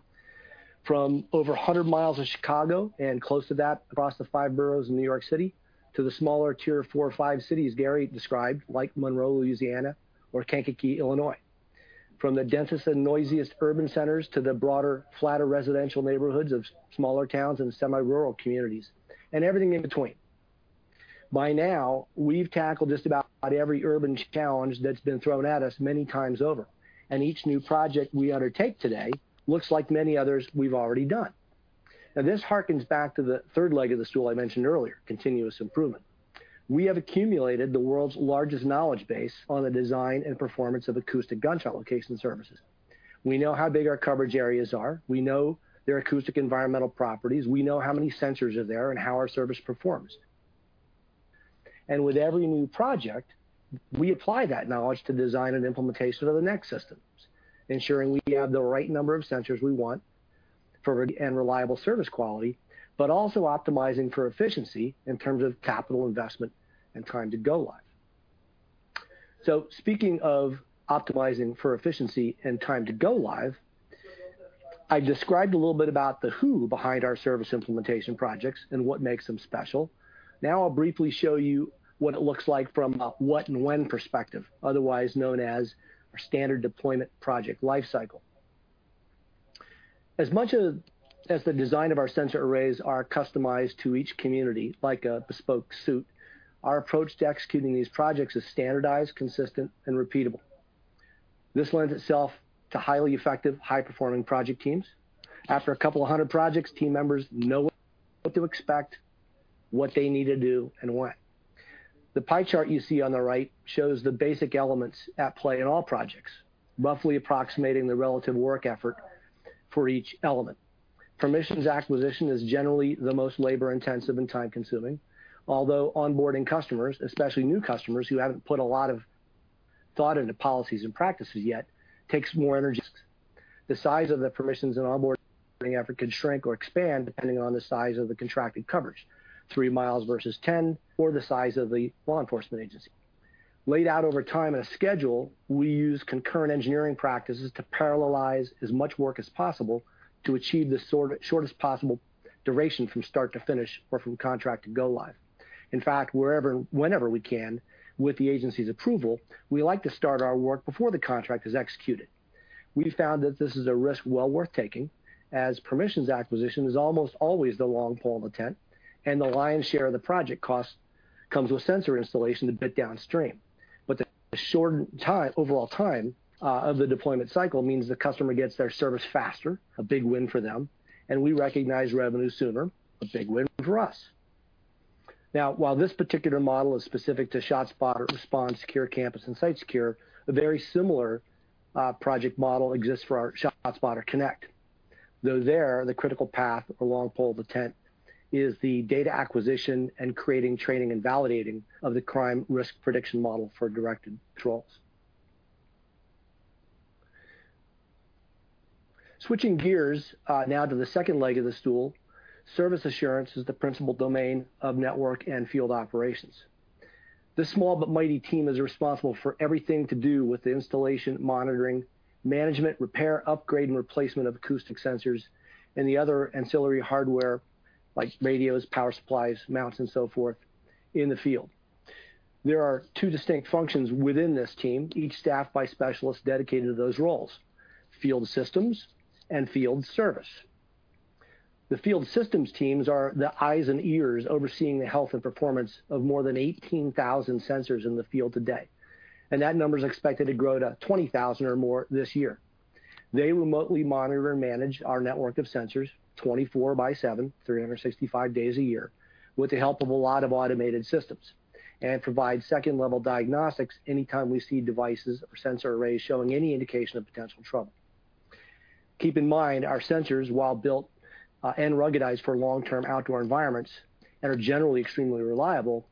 From over 100 mi of Chicago and close to that across the five boroughs of New York City, to the smaller Tier four or five cities Gary described, like Monroe, Louisiana or Kankakee, Illinois. From the densest and noisiest urban centers to the broader, flatter residential neighborhoods of smaller towns and semi-rural communities, and everything in between. By now, we've tackled just about every urban challenge that's been thrown at us many times over, and each new project we undertake today looks like many others we've already done. This harkens back to the third leg of the stool I mentioned earlier, continuous improvement. We have accumulated the world's largest knowledge base on the design and performance of acoustic gunshot location services. We know how big our coverage areas are. We know their acoustic environmental properties. We know how many sensors are there and how our service performs. With every new project, we apply that knowledge to design and implementation of the next systems, ensuring we have the right number of sensors we want for and reliable service quality, but also optimizing for efficiency in terms of capital investment and time to go live. Speaking of optimizing for efficiency and time to go live, I described a little bit about the who behind our service implementation projects and what makes them special. Now I'll briefly show you what it looks like from a what and when perspective, otherwise known as our standard deployment project life cycle. As much as the design of our sensor arrays are customized to each community, like a bespoke suit, our approach to executing these projects is standardized, consistent, and repeatable. This lends itself to highly effective, high-performing project teams. After a couple of 100 projects, team members know what to expect, what they need to do, and when. The pie chart you see on the right shows the basic elements at play in all projects, roughly approximating the relative work effort for each element. Permissions acquisition is generally the most labor-intensive and time-consuming, although onboarding customers, especially new customers who haven't put a lot of thought into policies and practices yet, takes more energy. The size of the permissions and onboarding effort can shrink or expand depending on the size of the contracted coverage, 3 mi versus 10 mi, or the size of the law enforcement agency. Laid out over time in a schedule, we use concurrent engineering practices to parallelize as much work as possible to achieve the shortest possible duration from start to finish or from contract to go live. In fact, whenever we can, with the agency's approval, we like to start our work before the contract is executed. We've found that this is a risk well worth taking, as permissions acquisition is almost always the long pole in the tent, and the lion's share of the project cost comes with sensor installation a bit downstream. The shortened overall time of the deployment cycle means the customer gets their service faster, a big win for them, and we recognize revenue sooner, a big win for us. While this particular model is specific to ShotSpotter Respond, SecureCampus, and SiteSecure, a very similar project model exists for our ShotSpotter Connect. Though there, the critical path or long pole the tent is the data acquisition and creating, training, and validating of the crime risk prediction model for directed patrols. Switching gears now to the second leg of the stool, service assurance is the principal domain of network and field operations. This small but mighty team is responsible for everything to do with the installation, monitoring, management, repair, upgrade, and replacement of acoustic sensors, and the other ancillary hardware like radios, power supplies, mounts, and so forth in the field. There are two distinct functions within this team, each staffed by specialists dedicated to those roles: field systems and field service. The field systems teams are the eyes and ears overseeing the health and performance of more than 18,000 sensors in the field today, and that number's expected to grow to 20,000 or more this year. They remotely monitor and manage our network of sensors 24/7, 365 days a year, with the help of a lot of automated systems, provide second-level diagnostics anytime we see devices or sensor arrays showing any indication of potential trouble. Keep in mind, our sensors, while built and ruggedized for long-term outdoor environments and are generally extremely reliable,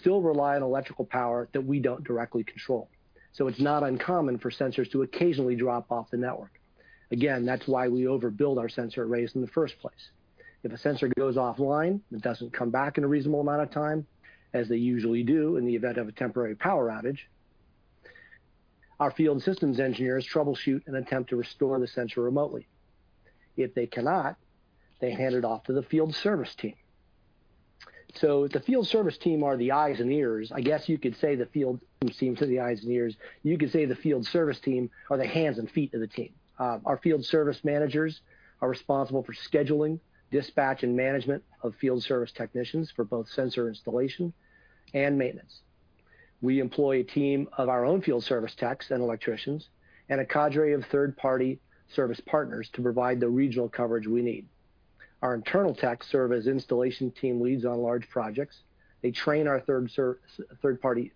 still rely on electrical power that we don't directly control. It's not uncommon for sensors to occasionally drop off the network. Again, that's why we overbuild our sensor arrays in the first place. If a sensor goes offline and it doesn't come back in a reasonable amount of time, as they usually do in the event of a temporary power outage, our field systems engineers troubleshoot and attempt to restore the sensor remotely. If they cannot, they hand it off to the field service team. The field service team are the eyes and ears. If the field systems team are the eyes and ears, you could say the field service team are the hands and feet of the team. Our field service managers are responsible for scheduling, dispatch, and management of field service technicians for both sensor installation and maintenance. We employ a team of our own field service techs and electricians, and a cadre of third-party service partners to provide the regional coverage we need. Our internal techs serve as installation team leads on large projects. They train our third-party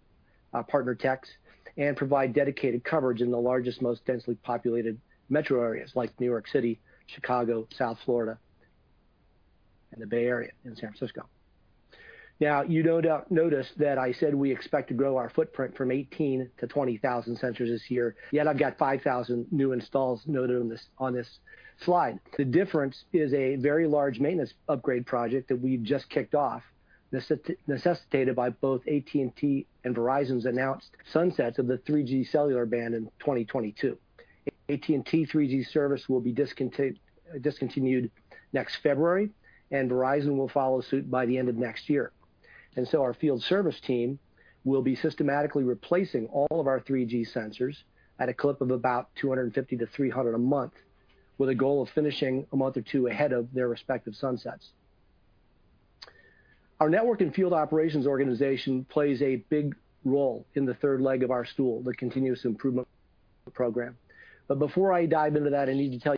partner techs and provide dedicated coverage in the largest, most densely populated metro areas like New York City, Chicago, South Florida, and the Bay Area in San Francisco. Now, you noticed that I said we expect to grow our footprint from 18,000 to 20,000 sensors this year, yet I've got 5,000 new installs noted on this slide. The difference is a very large maintenance upgrade project that we've just kicked off, necessitated by both AT&T and Verizon's announced sunsets of the 3G cellular band in 2022. AT&T 3G service will be discontinued next February. Verizon will follow suit by the end of next year. Our field service team will be systematically replacing all of our 3G sensors at a clip of about 250 to 300 a month, with a goal of finishing a month or two ahead of their respective sunsets. Our network and field operations organization plays a big role in the third leg of our stool, the continuous improvement program. Before I dive into that, I need to tell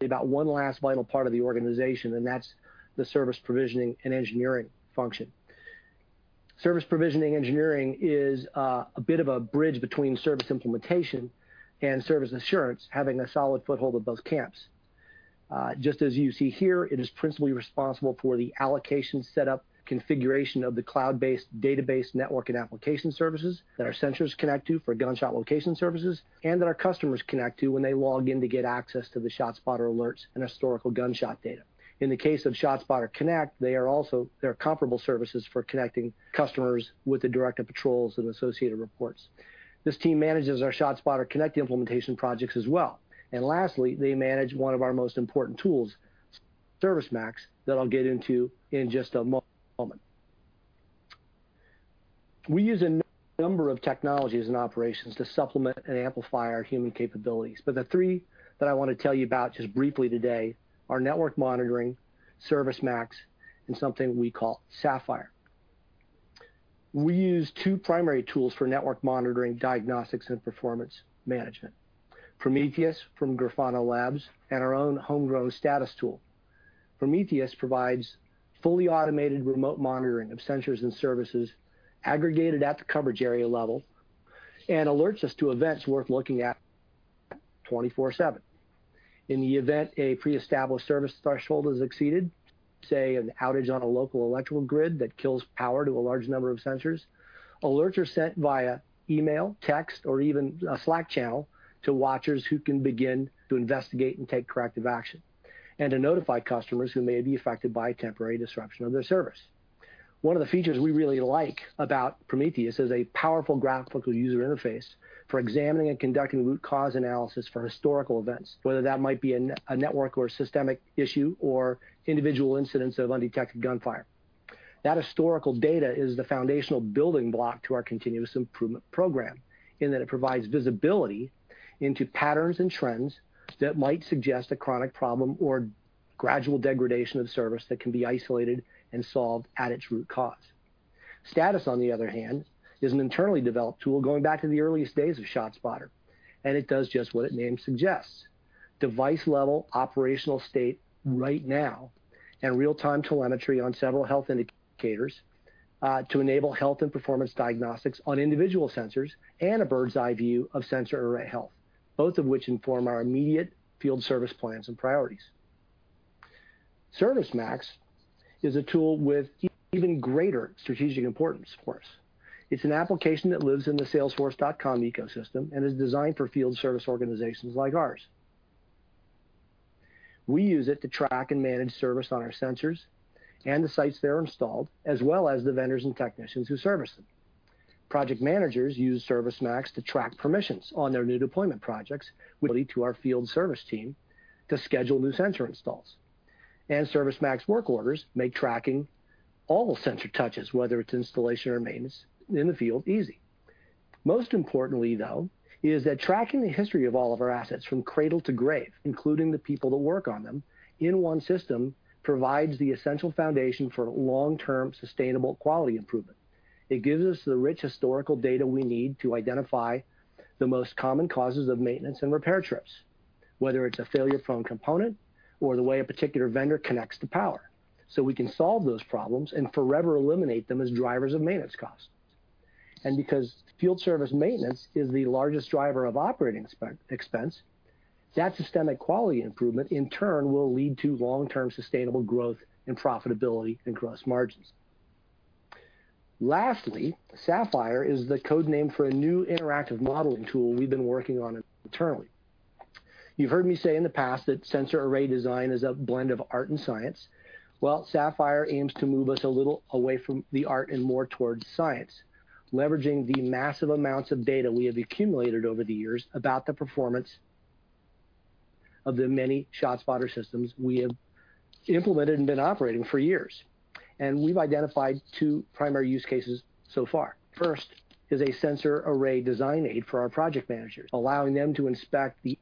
you about one last vital part of the organization, and that's the service provisioning and engineering function. Service provisioning engineering is a bit of a bridge between service implementation and service assurance, having a solid foothold at both camps. Just as you see here, it is principally responsible for the allocation, setup, configuration of the cloud-based database network and application services that our sensors connect to for gunshot location services, and that our customers connect to when they log in to get access to the ShotSpotter alerts and historical gunshot data. In the case of ShotSpotter Connect, they are comparable services for connecting customers with the directed patrols and associated reports. This team manages our ShotSpotter Connect implementation projects as well. Lastly, they manage one of our most important tools, ServiceMax, that I'll get into in just a moment. We use a number of technologies and operations to supplement and amplify our human capabilities. The three that I want to tell you about just briefly today are network monitoring, ServiceMax, and something we call Sapphire. We use two primary tools for network monitoring, diagnostics, and performance management: Prometheus from Grafana Labs and our own homegrown Status tool. Prometheus provides fully automated remote monitoring of sensors and services aggregated at the coverage area level and alerts us to events worth looking at 24/7. In the event a pre-established service threshold is exceeded, say an outage on a local electrical grid that kills power to a large number of sensors, alerts are sent via email, text, or even a Slack channel to watchers who can begin to investigate and take corrective action and to notify customers who may be affected by a temporary disruption of their service. One of the features we really like about Prometheus is a powerful graphical user interface for examining and conducting root cause analysis for historical events, whether that might be a network or a systemic issue, or individual incidents of undetected gunfire. That historical data is the foundational building block to our continuous improvement program in that it provides visibility into patterns and trends that might suggest a chronic problem or gradual degradation of service that can be isolated and solved at its root cause. Status, on the other hand, is an internally developed tool going back to the earliest days of ShotSpotter, and it does just what its name suggests: device-level operational state right now and real-time telemetry on several health indicators to enable health and performance diagnostics on individual sensors and a bird's eye view of sensor array health, both of which inform our immediate field service plans and priorities. ServiceMax is a tool with even greater strategic importance for us. It's an application that lives in the salesforce.com ecosystem and is designed for field service organizations like ours. We use it to track and manage service on our sensors and the sites that are installed, as well as the vendors and technicians who service them. Project managers use ServiceMax to track permissions on their new deployment projects, which lead to our field service team to schedule new sensor installs. ServiceMax work orders make tracking all sensor touches, whether it's installation or maintenance in the field, easy. Most importantly, though, is that tracking the history of all of our assets from cradle to grave, including the people that work on them, in one system, provides the essential foundation for long-term sustainable quality improvement. It gives us the rich historical data we need to identify the most common causes of maintenance and repair trips, whether it's a failure-prone component or the way a particular vendor connects to power, so we can solve those problems and forever eliminate them as drivers of maintenance costs. Because field service maintenance is the largest driver of operating expense, that systemic quality improvement, in turn, will lead to long-term sustainable growth and profitability and gross margins. Lastly, Sapphire is the code name for a new interactive modeling tool we've been working on internally. You've heard me say in the past that sensor array design is a blend of art and science. Well, Sapphire aims to move us a little away from the art and more towards science, leveraging the massive amounts of data we have accumulated over the years about the performance of the many ShotSpotter systems we have implemented and been operating for years. We've identified two primary use cases so far. First is a sensor array design aid for our project managers, allowing them to inspect the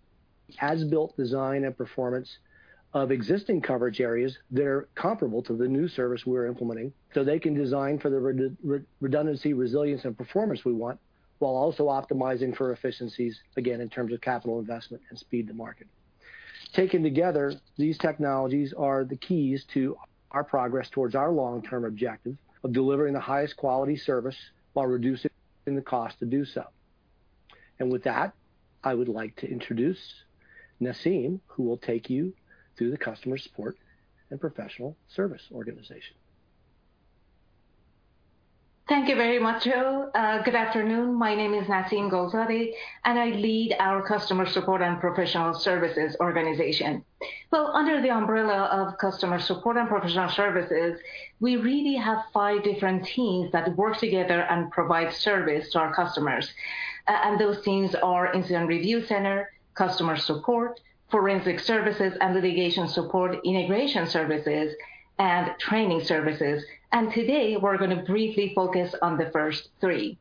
as-built design and performance of existing coverage areas that are comparable to the new service we're implementing, so they can design for the redundancy, resilience, and performance we want, while also optimizing for efficiencies, again, in terms of capital investment and speed to market. Taken together, these technologies are the keys to our progress towards our long-term objective of delivering the highest quality service while reducing the cost to do so. With that, I would like to introduce Nasim, who will take you through the customer support and professional service organization. Thank you very much, Joe. Good afternoon. My name is Nasim Golzadeh, I lead our customer support and professional services organization. Well, under the umbrella of customer support and professional services, we really have five different teams that work together and provide service to our customers. Those teams are Incident Review Center, customer support, forensic services and litigation support, integration services, and training services. Today, we're going to briefly focus on the first three.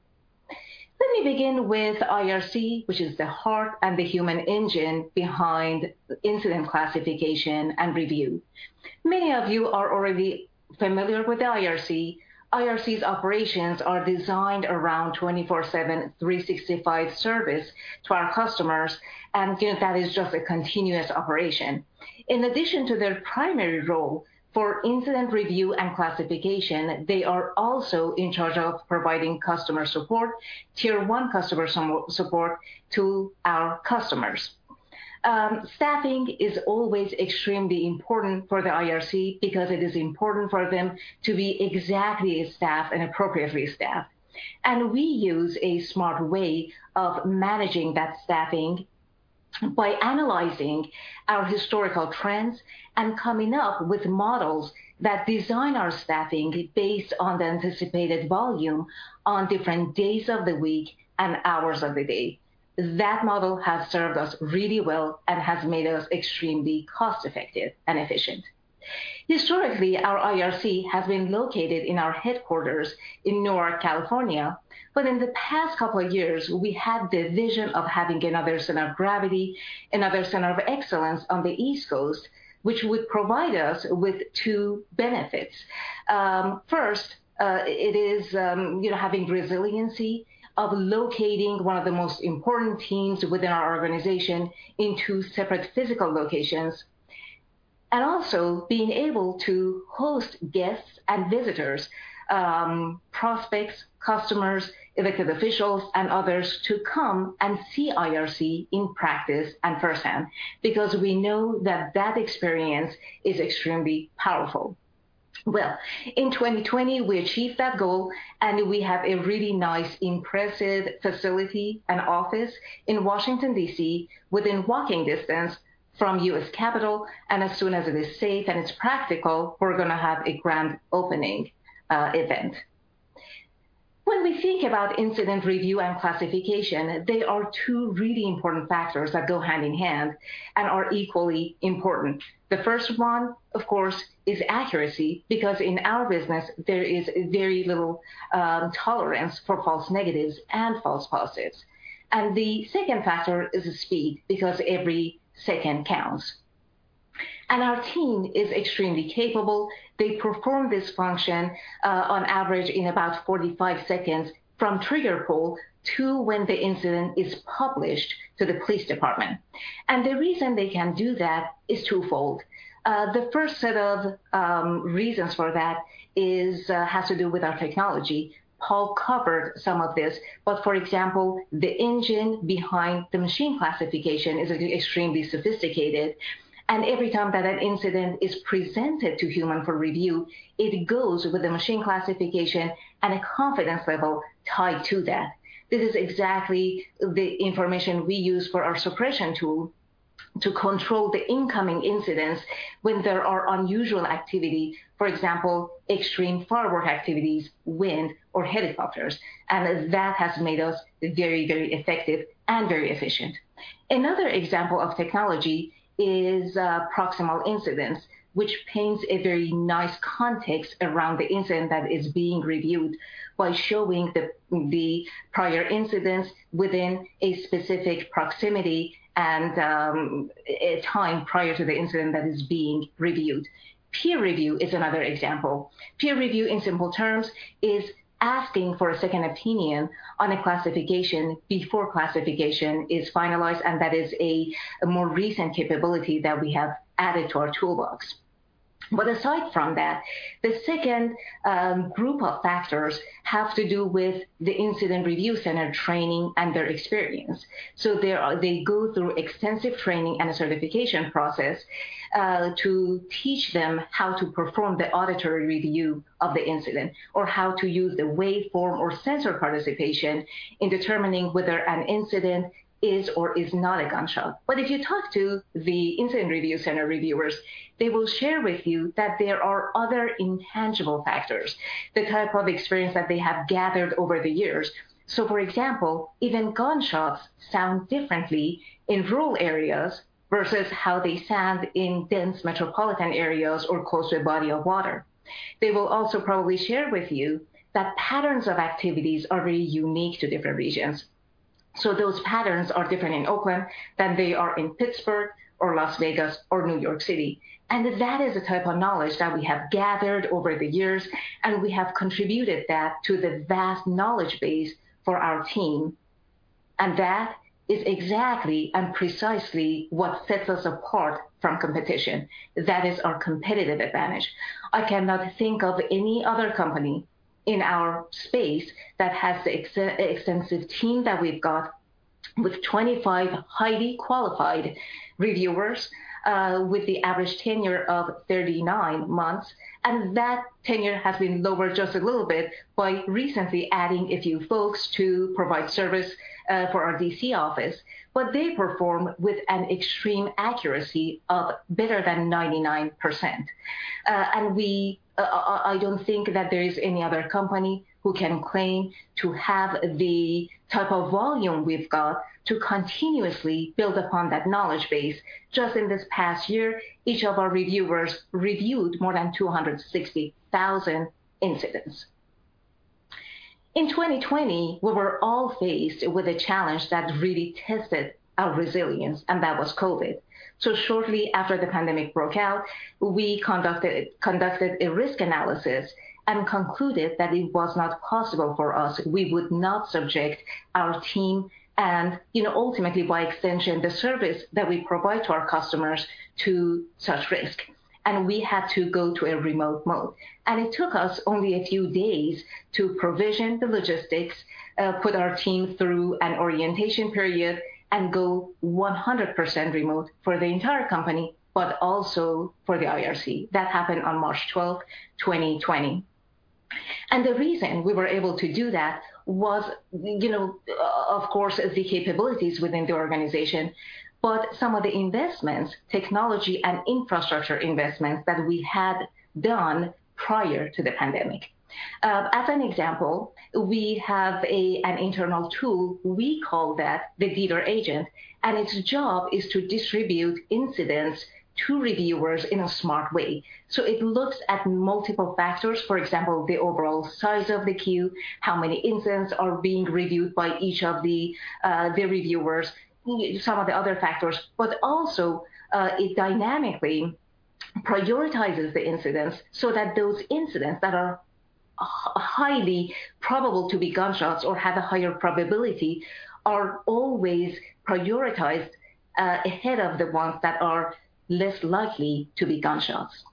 Let me begin with IRC, which is the heart and the human engine behind incident classification and review. Many of you are already familiar with the IRC. IRC's operations are designed around 24/7, 365 service to our customers, and again, that is just a continuous operation. In addition to their primary role for incident review and classification, they are also in charge of providing customer support, Tier one customer support to our customers. Staffing is always extremely important for the IRC because it is important for them to be exactly staffed and appropriately staffed. We use a smart way of managing that staffing by analyzing our historical trends and coming up with models that design our staffing based on the anticipated volume on different days of the week and hours of the day. That model has served us really well and has made us extremely cost-effective and efficient. Historically, our IRC has been located in our headquarters in Newark, California. In the past couple of years, we had the vision of having another center of gravity, another center of excellence on the East Coast, which would provide us with two benefits. First, it is having resiliency of locating one of the most important teams within our organization in two separate physical locations. Also being able to host guests and visitors, prospects, customers, elected officials, and others to come and see IRC in practice and firsthand, because we know that experience is extremely powerful. Well, in 2020, we achieved that goal, and we have a really nice, impressive facility and office in Washington, D.C., within walking distance from U.S. Capitol. As soon as it is safe and it's practical, we're going to have a grand opening event. When we think about incident review and classification, there are two really important factors that go hand in hand and are equally important. The first one, of course, is accuracy because in our business, there is very little tolerance for false negatives and false positives. The second factor is speed because every second counts. Our team is extremely capable. They perform this function on average in about 45 seconds from trigger pull to when the incident is published to the police department. The reason they can do that is twofold. The first set of reasons for that has to do with our technology. Paul covered some of this. For example, the engine behind the machine classification is extremely sophisticated, and every time that an incident is presented to human for review, it goes with a machine classification and a confidence level tied to that. This is exactly the information we use for our suppression tool to control the incoming incidents when there are unusual activity, for example, extreme firework activities, wind, or helicopters. That has made us very effective and very efficient. Another example of technology is proximal incidents, which paints a very nice context around the incident that is being reviewed by showing the prior incidents within a specific proximity and a time prior to the incident that is being reviewed. Peer review is another example. Peer review, in simple terms, is asking for a second opinion on a classification before classification is finalized. That is a more recent capability that we have added to our toolbox. Aside from that, the second group of factors have to do with the Incident Review Center training and their experience. They go through extensive training and a certification process to teach them how to perform the auditory review of the incident or how to use the waveform or sensor participation in determining whether an incident is or is not a gunshot. If you talk to the Incident Review Center reviewers, they will share with you that there are other intangible factors, the type of experience that they have gathered over the years. For example, even gunshots sound differently in rural areas versus how they sound in dense metropolitan areas or close to a body of water. They will also probably share with you that patterns of activities are very unique to different regions. Those patterns are different in Oakland than they are in Pittsburgh or Las Vegas or New York City. That is the type of knowledge that we have gathered over the years, and we have contributed that to the vast knowledge base for our team, and that is exactly and precisely what sets us apart from competition. That is our competitive advantage. I cannot think of any other company in our space that has the extensive team that we've got with 25 highly qualified reviewers with the average tenure of 39 months. That tenure has been lowered just a little bit by recently adding a few folks to provide service for our D.C. office. They perform with an extreme accuracy of better than 99%. I don't think that there is any other company who can claim to have the type of volume we've got to continuously build upon that knowledge base. Just in this past year, each of our reviewers reviewed more than 260,000 incidents. In 2020, we were all faced with a challenge that really tested our resilience, and that was COVID. Shortly after the pandemic broke out, we conducted a risk analysis and concluded that it was not possible for us. We would not subject our team and ultimately by extension, the service that we provide to our customers to such risk. We had to go to a remote mode. It took us only a few days to provision the logistics, put our team through an orientation period, and go 100% remote for the entire company, but also for the IRC. That happened on March 12, 2020. The reason we were able to do that was, of course, the capabilities within the organization, but some of the investments, technology, and infrastructure investments that we had done prior to the pandemic. As an example, we have an internal tool we call the Dealer Agent, and its job is to distribute incidents to reviewers in a smart way. It looks at multiple factors. For example, the overall size of the queue, how many incidents are being reviewed by each of the reviewers, some of the other factors. Also it dynamically prioritizes the incidents so that those incidents that are highly probable to be gunshots or have a higher probability are always prioritized ahead of the ones that are less likely to be gunshots.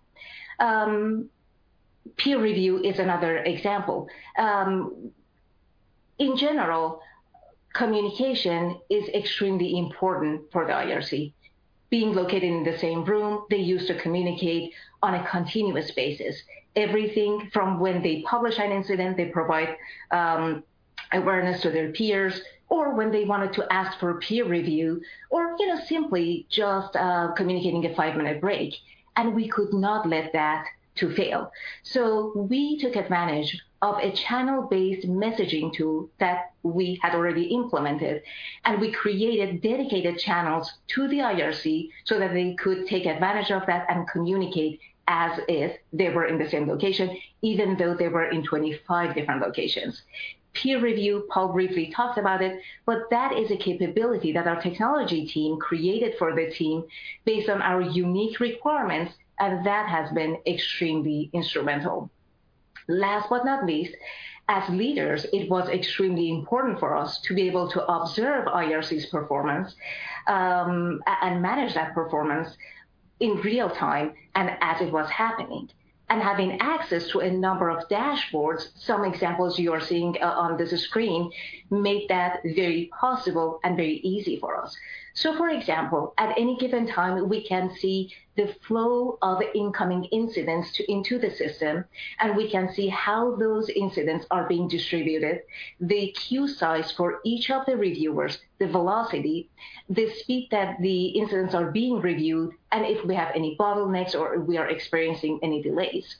Peer review is another example. In general, communication is extremely important for the IRC. Being located in the same room, they used to communicate on a continuous basis. Everything from when they publish an incident, they provide awareness to their peers, or when they wanted to ask for a peer review or simply just communicating a five-minute break. We could not let that fail. We took advantage of a channel-based messaging tool that we had already implemented, and we created dedicated channels to the IRC so that they could take advantage of that and communicate as if they were in the same location, even though they were in 25 different locations. Peer review, Paul briefly talked about it, but that is a capability that our technology team created for the team based on our unique requirements, and that has been extremely instrumental. Last but not least, as leaders, it was extremely important for us to be able to observe IRC's performance, and manage that performance in real time and as it was happening. Having access to a number of dashboards, some examples you are seeing on the screen, made that very possible and very easy for us. For example, at any given time, we can see the flow of incoming incidents into the system, and we can see how those incidents are being distributed, the queue size for each of the reviewers, the velocity, the speed that the incidents are being reviewed, and if we have any bottlenecks or if we are experiencing any delays.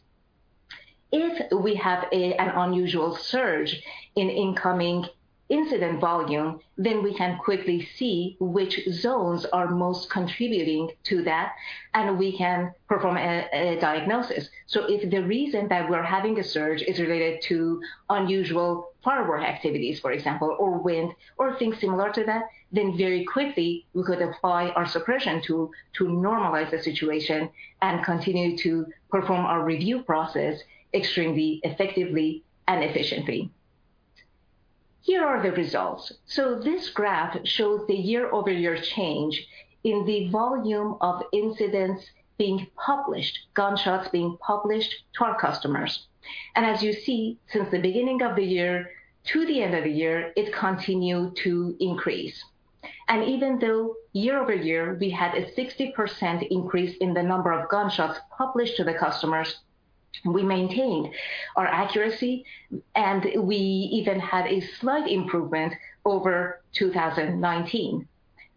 If we have an unusual surge in incoming incident volume, we can quickly see which zones are most contributing to that, and we can perform a diagnosis. If the reason that we're having a surge is related to unusual firework activities, for example, or wind or things similar to that, very quickly we could apply our suppression tool to normalize the situation and continue to perform our review process extremely effectively and efficiently. Here are the results. This graph shows the year-over-year change in the volume of incidents being published, gunshots being published to our customers. As you see, since the beginning of the year to the end of the year, it continued to increase. Even though year-over-year, we had a 60% increase in the number of gunshots published to the customers, we maintained our accuracy, and we even had a slight improvement over 2019.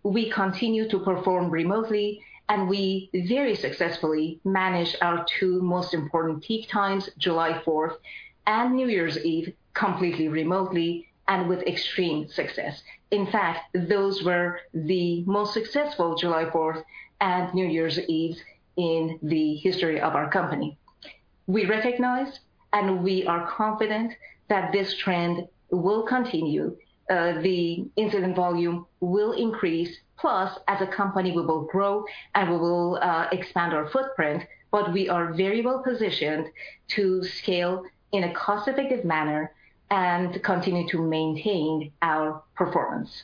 We continued to perform remotely, and we very successfully managed our two most important peak times, July 4th and New Year's Eve, completely remotely and with extreme success. In fact, those were the most successful July 4th and New Year's Eves in the history of our company. We recognize and we are confident that this trend will continue. The incident volume will increase, plus as a company, we will grow and we will expand our footprint. We are very well positioned to scale in a cost-effective manner and continue to maintain our performance.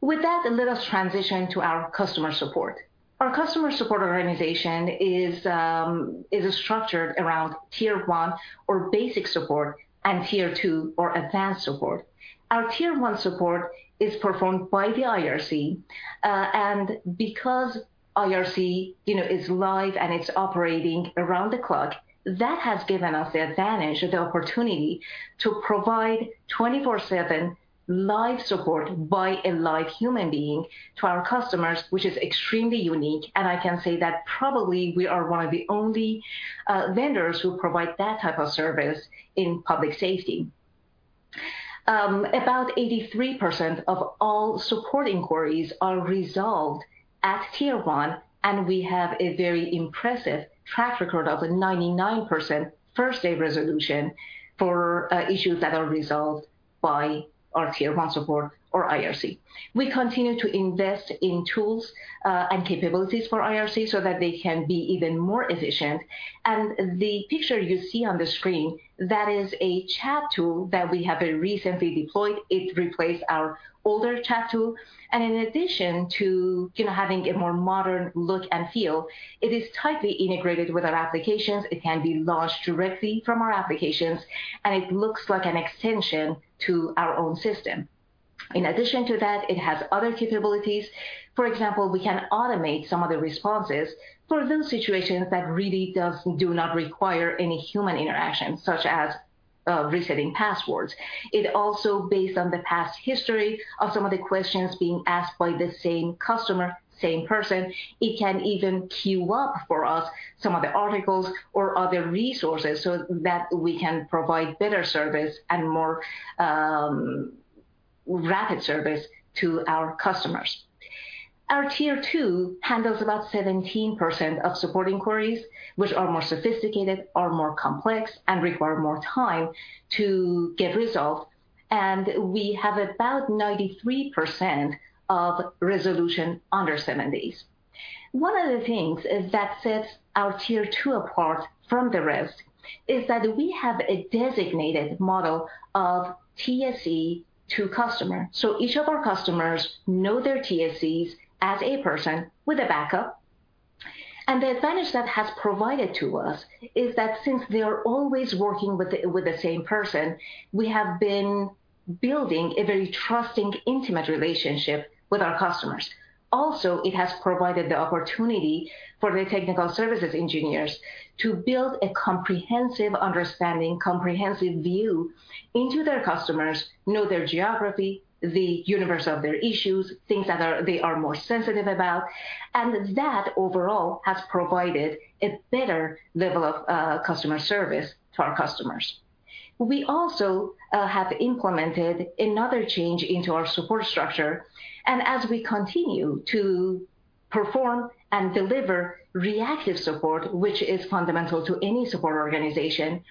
With that, let us transition to our customer support. Our customer support organization is structured around Tier one or basic support and Tier two or advanced support. Our Tier one support is performed by the IRC. Because IRC is live and it's operating around the clock, that has given us the advantage or the opportunity to provide 24/7 live support by a live human being to our customers, which is extremely unique. I can say that probably we are one of the only vendors who provide that type of service in public safety. About 83% of all support inquiries are resolved at Tier one, and we have a very impressive track record of a 99% first-day resolution for issues that are resolved by our Tier one support or IRC. We continue to invest in tools and capabilities for IRC so that they can be even more efficient. The picture you see on the screen, that is a chat tool that we have very recently deployed. It replaced our older chat tool. In addition to having a more modern look and feel, it is tightly integrated with our applications. It can be launched directly from our applications, and it looks like an extension to our own system. In addition to that, it has other capabilities. For example, we can automate some of the responses for those situations that really do not require any human interaction, such as resetting passwords. It also based on the past history of some of the questions being asked by the same customer, same person. It can even queue up for us some of the articles or other resources so that we can provide better service and more rapid service to our customers. Our Tier two handles about 17% of support inquiries, which are more sophisticated or more complex and require more time to get resolved. We have about 93% of resolution under seven days. One of the things is that sets our Tier two apart from the rest is that we have a designated model of TSE to customer. Each of our customers know their TSEs as a person with a backup. The advantage that has provided to us is that since they are always working with the same person, we have been building a very trusting, intimate relationship with our customers. Also, it has provided the opportunity for the technical services engineers to build a comprehensive understanding, comprehensive view into their customers, know their geography, the universe of their issues, things that they are more sensitive about, and that overall has provided a better level of customer service to our customers. We also have implemented another change into our support structure. As we continue to perform and deliver reactive support, which is fundamental to any support organization,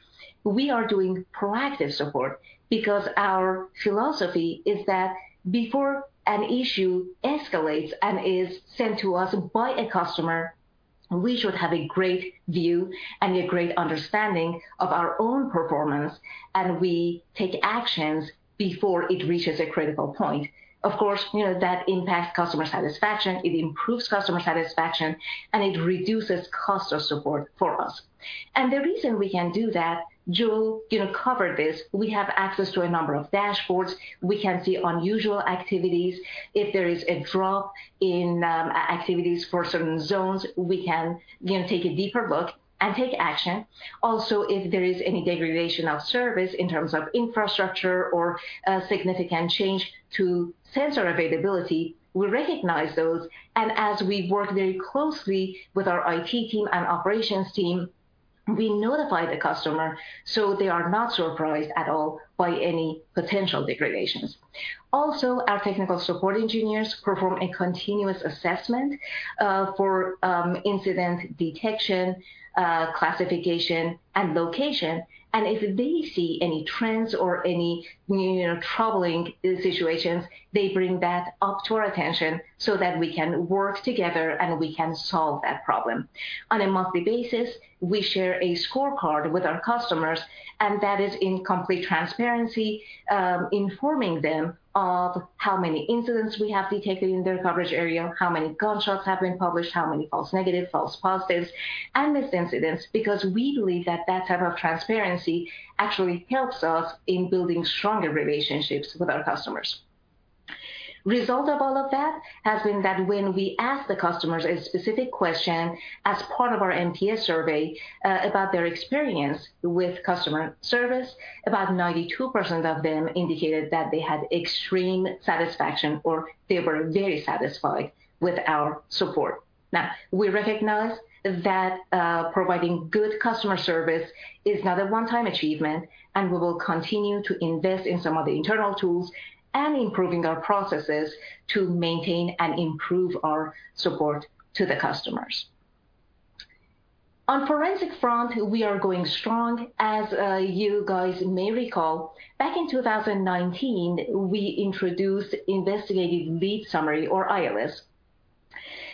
we are doing proactive support because our philosophy is that before an issue escalates and is sent to us by a customer, we should have a great view and a great understanding of our own performance, and we take actions before it reaches a critical point. Of course, that impacts customer satisfaction, it improves customer satisfaction, and it reduces cost of support for us. The reason we can do that, Joe covered this, we have access to a number of dashboards. We can see unusual activities. If there is a drop in activities for certain zones, we can take a deeper look and take action. If there is any degradation of service in terms of infrastructure or a significant change to sensor availability, we recognize those, and as we work very closely with our IT team and operations team, we notify the customer so they are not surprised at all by any potential degradations. Our technical support engineers perform a continuous assessment for incident detection, classification, and location. If they see any trends or any troubling situations, they bring that up to our attention so that we can work together, and we can solve that problem. On a monthly basis, we share a scorecard with our customers. That is in complete transparency, informing them of how many incidents we have detected in their coverage area, how many gunshots have been published, how many false negative, false positives, and missed incidents, because we believe that type of transparency actually helps us in building stronger relationships with our customers. Result of all of that has been that when we ask the customers a specific question as part of our NPS survey about their experience with customer service, about 92% of them indicated that they had extreme satisfaction, or they were very satisfied with our support. We recognize that providing good customer service is not a one-time achievement. We will continue to invest in some of the internal tools and improving our processes to maintain and improve our support to the customers. On forensic front, we are going strong. As you guys may recall, back in 2019, we introduced Investigative Lead Summary or ILS,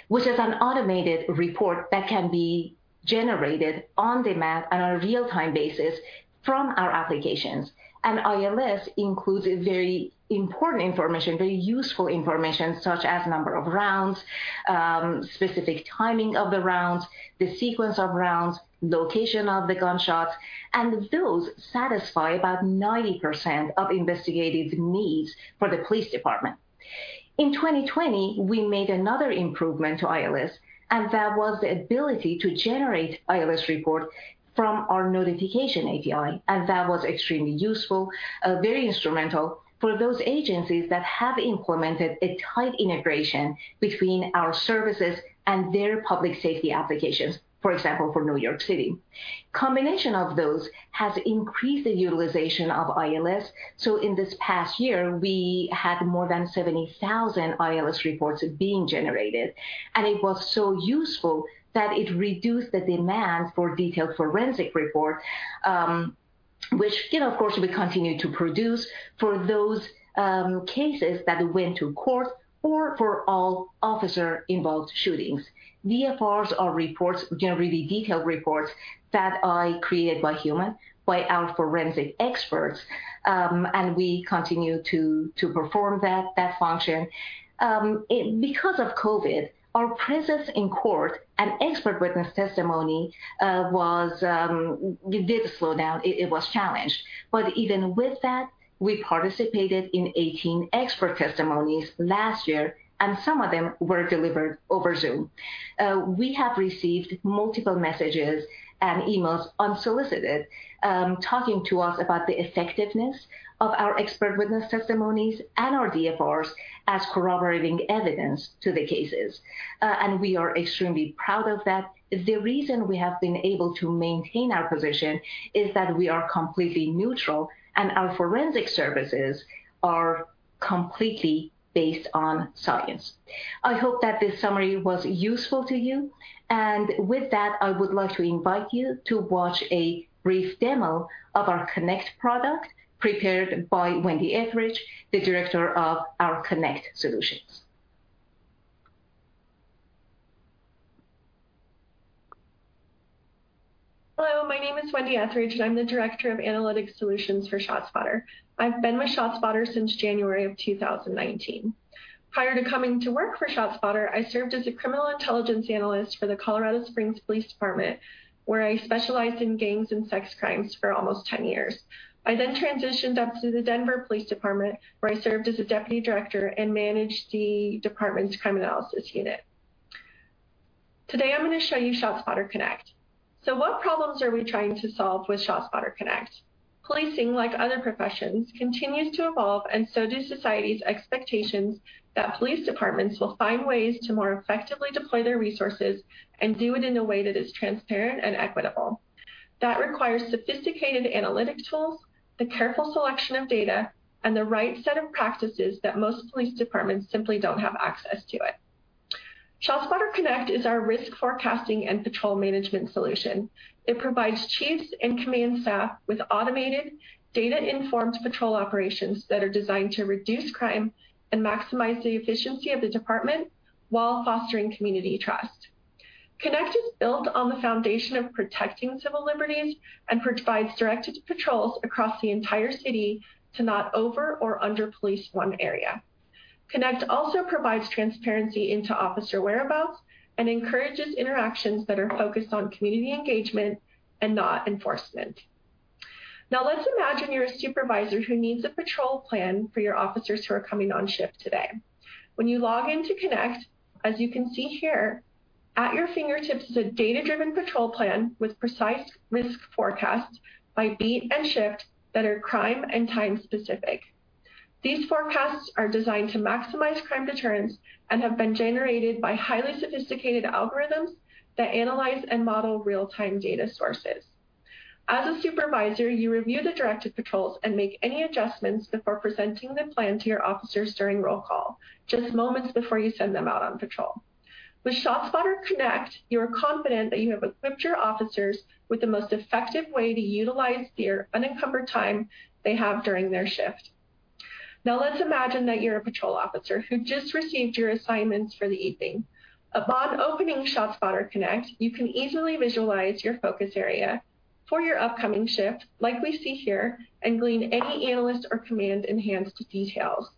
which is an automated report that can be generated on-demand and on a real-time basis from our applications. Those satisfy about 90% of investigative needs for the police department. In 2020, we made another improvement to ILS, that was the ability to generate ILS report from our notification API. That was extremely useful, very instrumental for those agencies that have implemented a tight integration between our services and their public safety applications. For example, for New York City. Combination of those has increased the utilization of ILS. In this past year, we had more than 70,000 ILS reports being generated. It was so useful that it reduced the demand for detailed forensic reports, which, of course, we continue to produce for those cases that went to court or for all officer-involved shootings. DFRs are reports, generally detailed reports, that are created by human, by our forensic experts, and we continue to perform that function. Because of COVID, our presence in court and expert witness testimony, it did slow down. It was challenged. Even with that, we participated in 18 expert testimonies last year, and some of them were delivered over Zoom. We have received multiple messages and emails, unsolicited, talking to us about the effectiveness of our expert witness testimonies and our DFRs as corroborating evidence to the cases, and we are extremely proud of that. The reason we have been able to maintain our position is that we are completely neutral, and our forensic services are completely based on science. I hope that this summary was useful to you. With that, I would like to invite you to watch a brief demo of our Connect product prepared by Wendy Ethridge, the Director of our Connect solutions. Hello, my name is Wendy Ethridge, and I'm the Director of Analytic Solutions for ShotSpotter. I've been with ShotSpotter since January of 2019. Prior to coming to work for ShotSpotter, I served as a criminal intelligence analyst for the Colorado Springs Police Department, where I specialized in gangs and sex crimes for almost 10 years. I then transitioned up to the Denver Police Department, where I served as a Deputy Director and managed the department's crime analysis unit. Today, I'm going to show you ShotSpotter Connect. What problems are we trying to solve with ShotSpotter Connect? Policing, like other professions, continues to evolve, and so do society's expectations that police departments will find ways to more effectively deploy their resources and do it in a way that is transparent and equitable. That requires sophisticated analytic tools, the careful selection of data, and the right set of practices that most police departments simply don't have access to it. ShotSpotter Connect is our risk forecasting and patrol management solution. It provides chiefs and command staff with automated, data-informed patrol operations that are designed to reduce crime and maximize the efficiency of the department while fostering community trust. Connect is built on the foundation of protecting civil liberties and provides directed patrols across the entire city to not over or under-police one area. Connect also provides transparency into officer whereabouts and encourages interactions that are focused on community engagement and not enforcement. Let's imagine you're a supervisor who needs a patrol plan for your officers who are coming on shift today. When you log in to Connect, as you can see here, at your fingertips is a data-driven patrol plan with precise risk forecasts by beat and shift that are crime and time specific. These forecasts are designed to maximize crime deterrence and have been generated by highly sophisticated algorithms that analyze and model real-time data sources. As a supervisor, you review the directed patrols and make any adjustments before presenting the plan to your officers during roll call, just moments before you send them out on patrol. With ShotSpotter Connect, you are confident that you have equipped your officers with the most effective way to utilize their unencumbered time they have during their shift. Now, let's imagine that you're a patrol officer who just received your assignments for the evening. Upon opening ShotSpotter Connect, you can easily visualize your focus area for your upcoming shift, like we see here, and glean any analyst or command-enhanced details.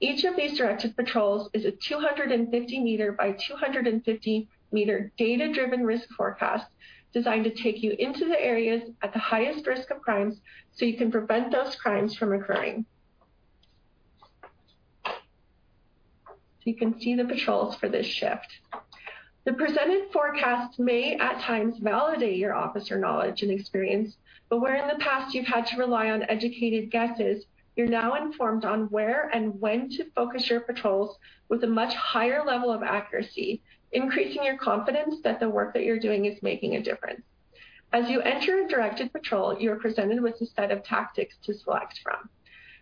Each of these directed patrols is a 250 m by 250 m data-driven risk forecast designed to take you into the areas at the highest risk of crimes so you can prevent those crimes from occurring. You can see the patrols for this shift. The presented forecast may, at times, validate your officer knowledge and experience. Where in the past you've had to rely on educated guesses, you're now informed on where and when to focus your patrols with a much higher level of accuracy, increasing your confidence that the work that you're doing is making a difference. As you enter a directed patrol, you are presented with a set of tactics to select from.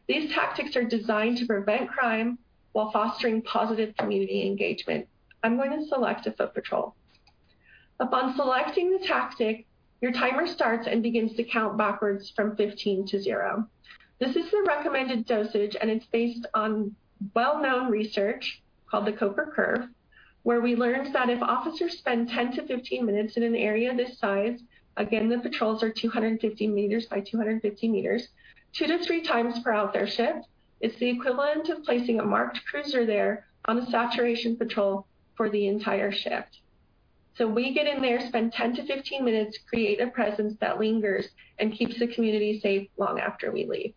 These tactics are designed to prevent crime while fostering positive community engagement. I'm going to select a foot patrol. Upon selecting the tactic, your timer starts and begins to count backwards from 15 to 0. This is the recommended dosage, and it's based on well-known research called the Koper Curve, where we learned that if officers spend 10 to 15 minutes in an area this size, again, the patrols are 250 m by 250 m, 2x to 3x throughout their shift, it's the equivalent of placing a marked cruiser there on a saturation patrol for the entire shift. We get in there, spend 10 to 15 minutes, create a presence that lingers and keeps the community safe long after we leave.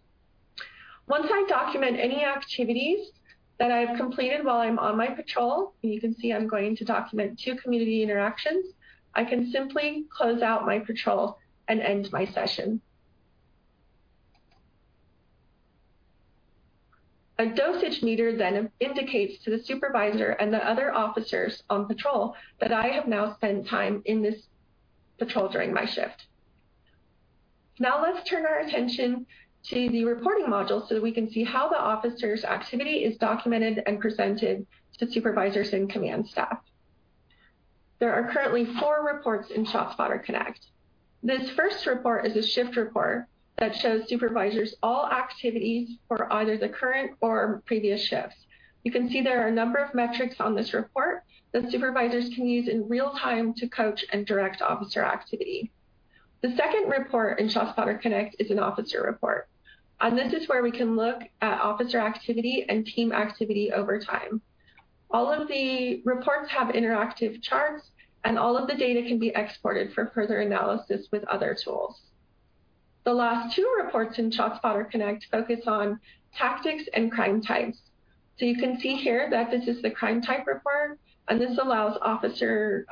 Once I document any activities that I've completed while I'm on my patrol, and you can see I'm going to document two community interactions, I can simply close out my patrol and end my session. A dosage meter indicates to the supervisor and the other officers on patrol that I have now spent time in this patrol during my shift. Now, let's turn our attention to the reporting module so we can see how the officer's activity is documented and presented to supervisors and command staff. There are currently four reports in ShotSpotter Connect. This first report is a shift report that shows supervisors all activities for either the current or previous shifts. You can see there are a number of metrics on this report that supervisors can use in real time to coach and direct officer activity. The second report in ShotSpotter Connect is an officer report, and this is where we can look at officer activity and team activity over time. All of the reports have interactive charts, and all of the data can be exported for further analysis with other tools. The last two reports in ShotSpotter Connect focus on tactics and crime types. You can see here that this is the crime type report, and this allows officer,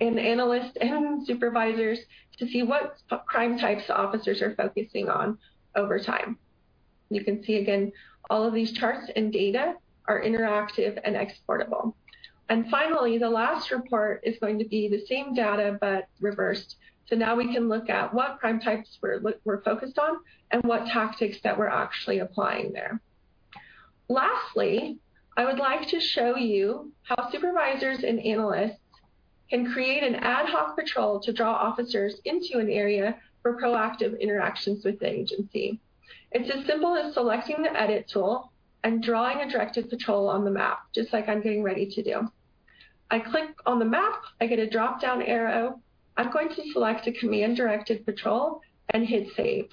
and analyst, and supervisors to see what crime types officers are focusing on over time. You can see again, all of these charts and data are interactive and exportable. Finally, the last report is going to be the same data, but reversed. Now we can look at what crime types we're focused on and what tactics that we're actually applying there. Lastly, I would like to show you how supervisors and analysts can create an ad hoc patrol to draw officers into an area for proactive interactions with the agency. It's as simple as selecting the edit tool and drawing a directed patrol on the map, just like I'm getting ready to do. I click on the map, I get a drop-down arrow. I'm going to select a command-directed patrol and hit Save.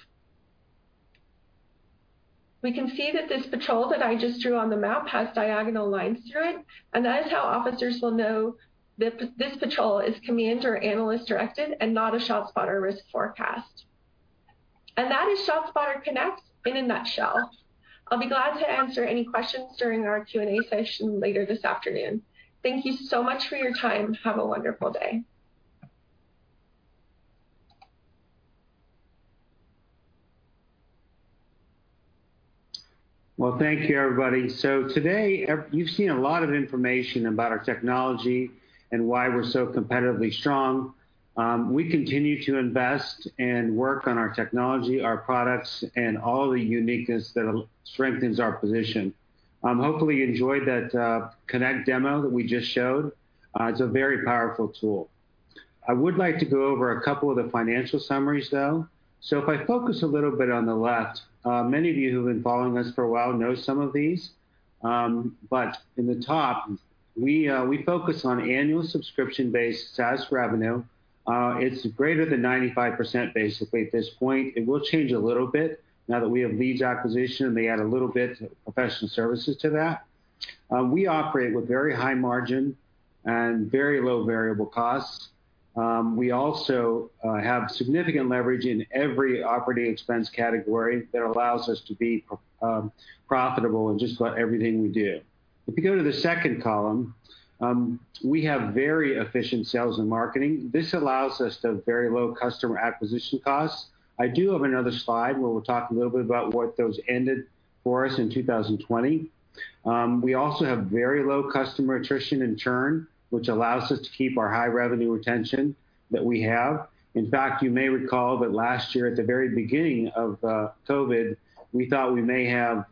We can see that this patrol that I just drew on the map has diagonal lines through it, and that is how officers will know that this patrol is command or analyst-directed and not a ShotSpotter risk forecast. That is ShotSpotter Connect in a nutshell. I'll be glad to answer any questions during our Q&A session later this afternoon. Thank you so much for your time. Have a wonderful day. Thank you, everybody. Today, you've seen a lot of information about our technology and why we're so competitively strong. We continue to invest and work on our technology, our products, and all the uniqueness that strengthens our position. Hopefully, you enjoyed that Connect demo that we just showed. It's a very powerful tool. I would like to go over a couple of the financial summaries, though. If I focus a little bit on the left, many of you who've been following us for a while know some of these. In the top, we focus on annual subscription-based SaaS revenue. It's greater than 95%, basically, at this point. It will change a little bit now that we have LEEDS acquisition, and they add a little bit of professional services to that. We operate with very high margin and very low variable costs. We also have significant leverage in every operating expense category that allows us to be profitable in just about everything we do. If you go to the second column, we have very efficient sales and marketing. This allows us to have very low customer acquisition costs. I do have another slide where we'll talk a little bit about what those ended for us in 2020. We also have very low customer attrition and churn, which allows us to keep our high revenue retention that we have. In fact, you may recall that last year at the very beginning of COVID, we thought we may have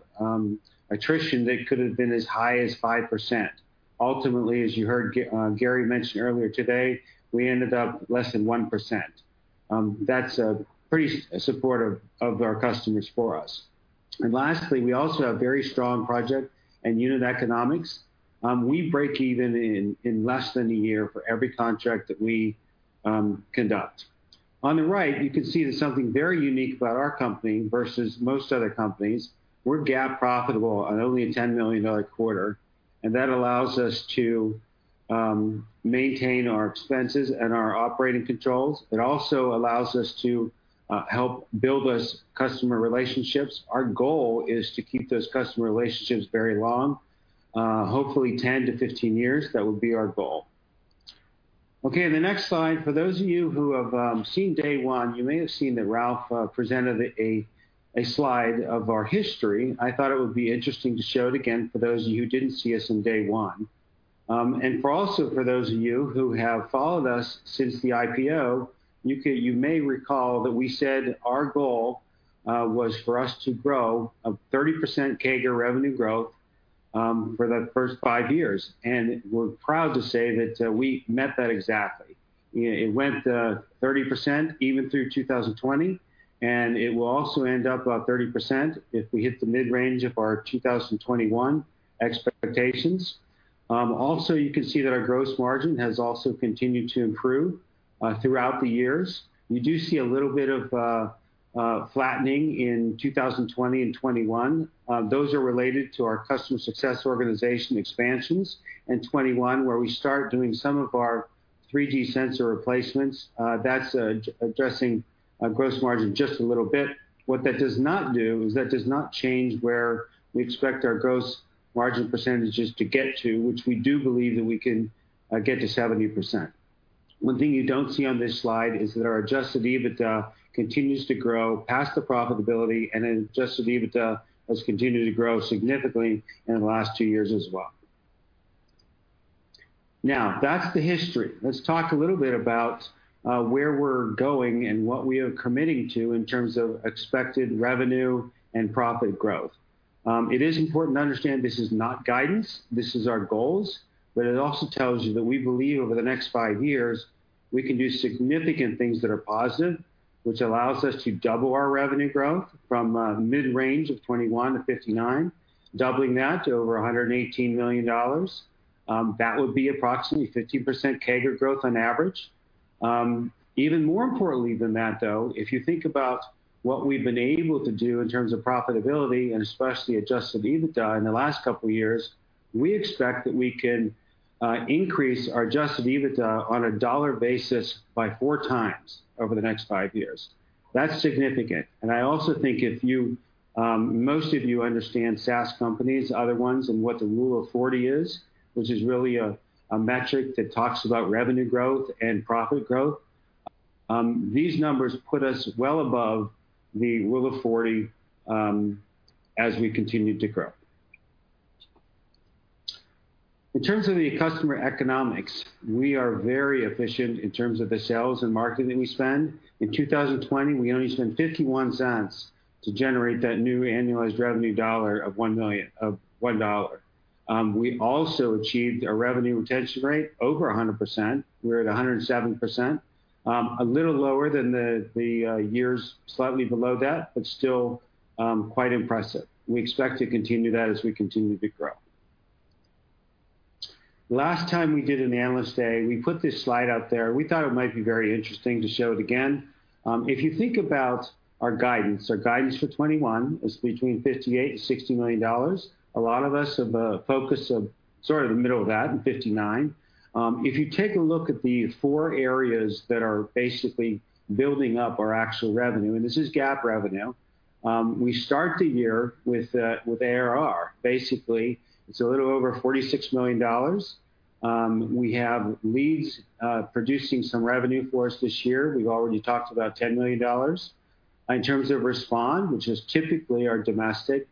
attrition that could have been as high as 5%. Ultimately, as you heard Gary mention earlier today, we ended up less than 1%. That's pretty supportive of our customers for us. Lastly, we also have very strong project and unit economics. We break even in less than a year for every contract that we conduct. On the right, you can see there's something very unique about our company versus most other companies. We're GAAP profitable on only a $10 million quarter. That allows us to maintain our expenses and our operating controls. It also allows us to help build those customer relationships. Our goal is to keep those customer relationships very long, hopefully 10 to 15 years. That would be our goal. In the next slide, for those of you who have seen day one, you may have seen that Ralph presented a slide of our history. I thought it would be interesting to show it again for those of you who didn't see us on day one. Also for those of you who have followed us since the IPO, you may recall that we said our goal was for us to grow a 30% CAGR revenue growth for the first five years. We're proud to say that we met that exactly. It went 30% even through 2020. It will also end up about 30% if we hit the mid-range of our 2021 expectations. Also, you can see that our gross margin has also continued to improve throughout the years. You do see a little bit of flattening in 2020 and 2021. Those are related to our customer success organization expansions in 2021, where we start doing some of our 3G sensor replacements. That's addressing gross margin just a little bit. What that does not do is that does not change where we expect our gross margin percentages to get to, which we do believe that we can get to 70%. One thing you don't see on this slide is that our adjusted EBITDA continues to grow past the profitability, and adjusted EBITDA has continued to grow significantly in the last two years as well. That's the history. Let's talk a little bit about where we're going and what we are committing to in terms of expected revenue and profit growth. It is important to understand this is not guidance, this is our goals, but it also tells you that we believe over the next five years, we can do significant things that are positive, which allows us to double our revenue growth from a mid-range of $21 million-$59 million, doubling that to over $118 million. That would be approximately 15% CAGR growth on average. Even more importantly than that, though, if you think about what we've been able to do in terms of profitability and especially adjusted EBITDA in the last couple of years, we expect that we can increase our adjusted EBITDA on a dollar basis by 4x over the next five years. That's significant. I also think most of you understand SaaS companies, other ones, and what the rule of 40 is, which is really a metric that talks about revenue growth and profit growth. These numbers put us well above the rule of 40 as we continue to grow. In terms of the customer economics, we are very efficient in terms of the sales and marketing that we spend. In 2020, we only spent $0.51 to generate that new annualized revenue dollar of $1. We also achieved a revenue retention rate over 100%. We're at 107%, a little lower than the years slightly below that, but still quite impressive. We expect to continue that as we continue to grow. Last time we did an analyst day, we put this slide out there. We thought it might be very interesting to show it again. If you think about our guidance, our guidance for 2021 is between $58 million-$60 million. A lot of us have a focus of sort of the middle of that, in $59 million. If you take a look at the four areas that are basically building up our actual revenue, and this is GAAP revenue, we start the year with ARR. Basically, it's a little over $46 million. We have LEEDS producing some revenue for us this year. We've already talked about $10 million. In terms of Respond, which is typically our domestic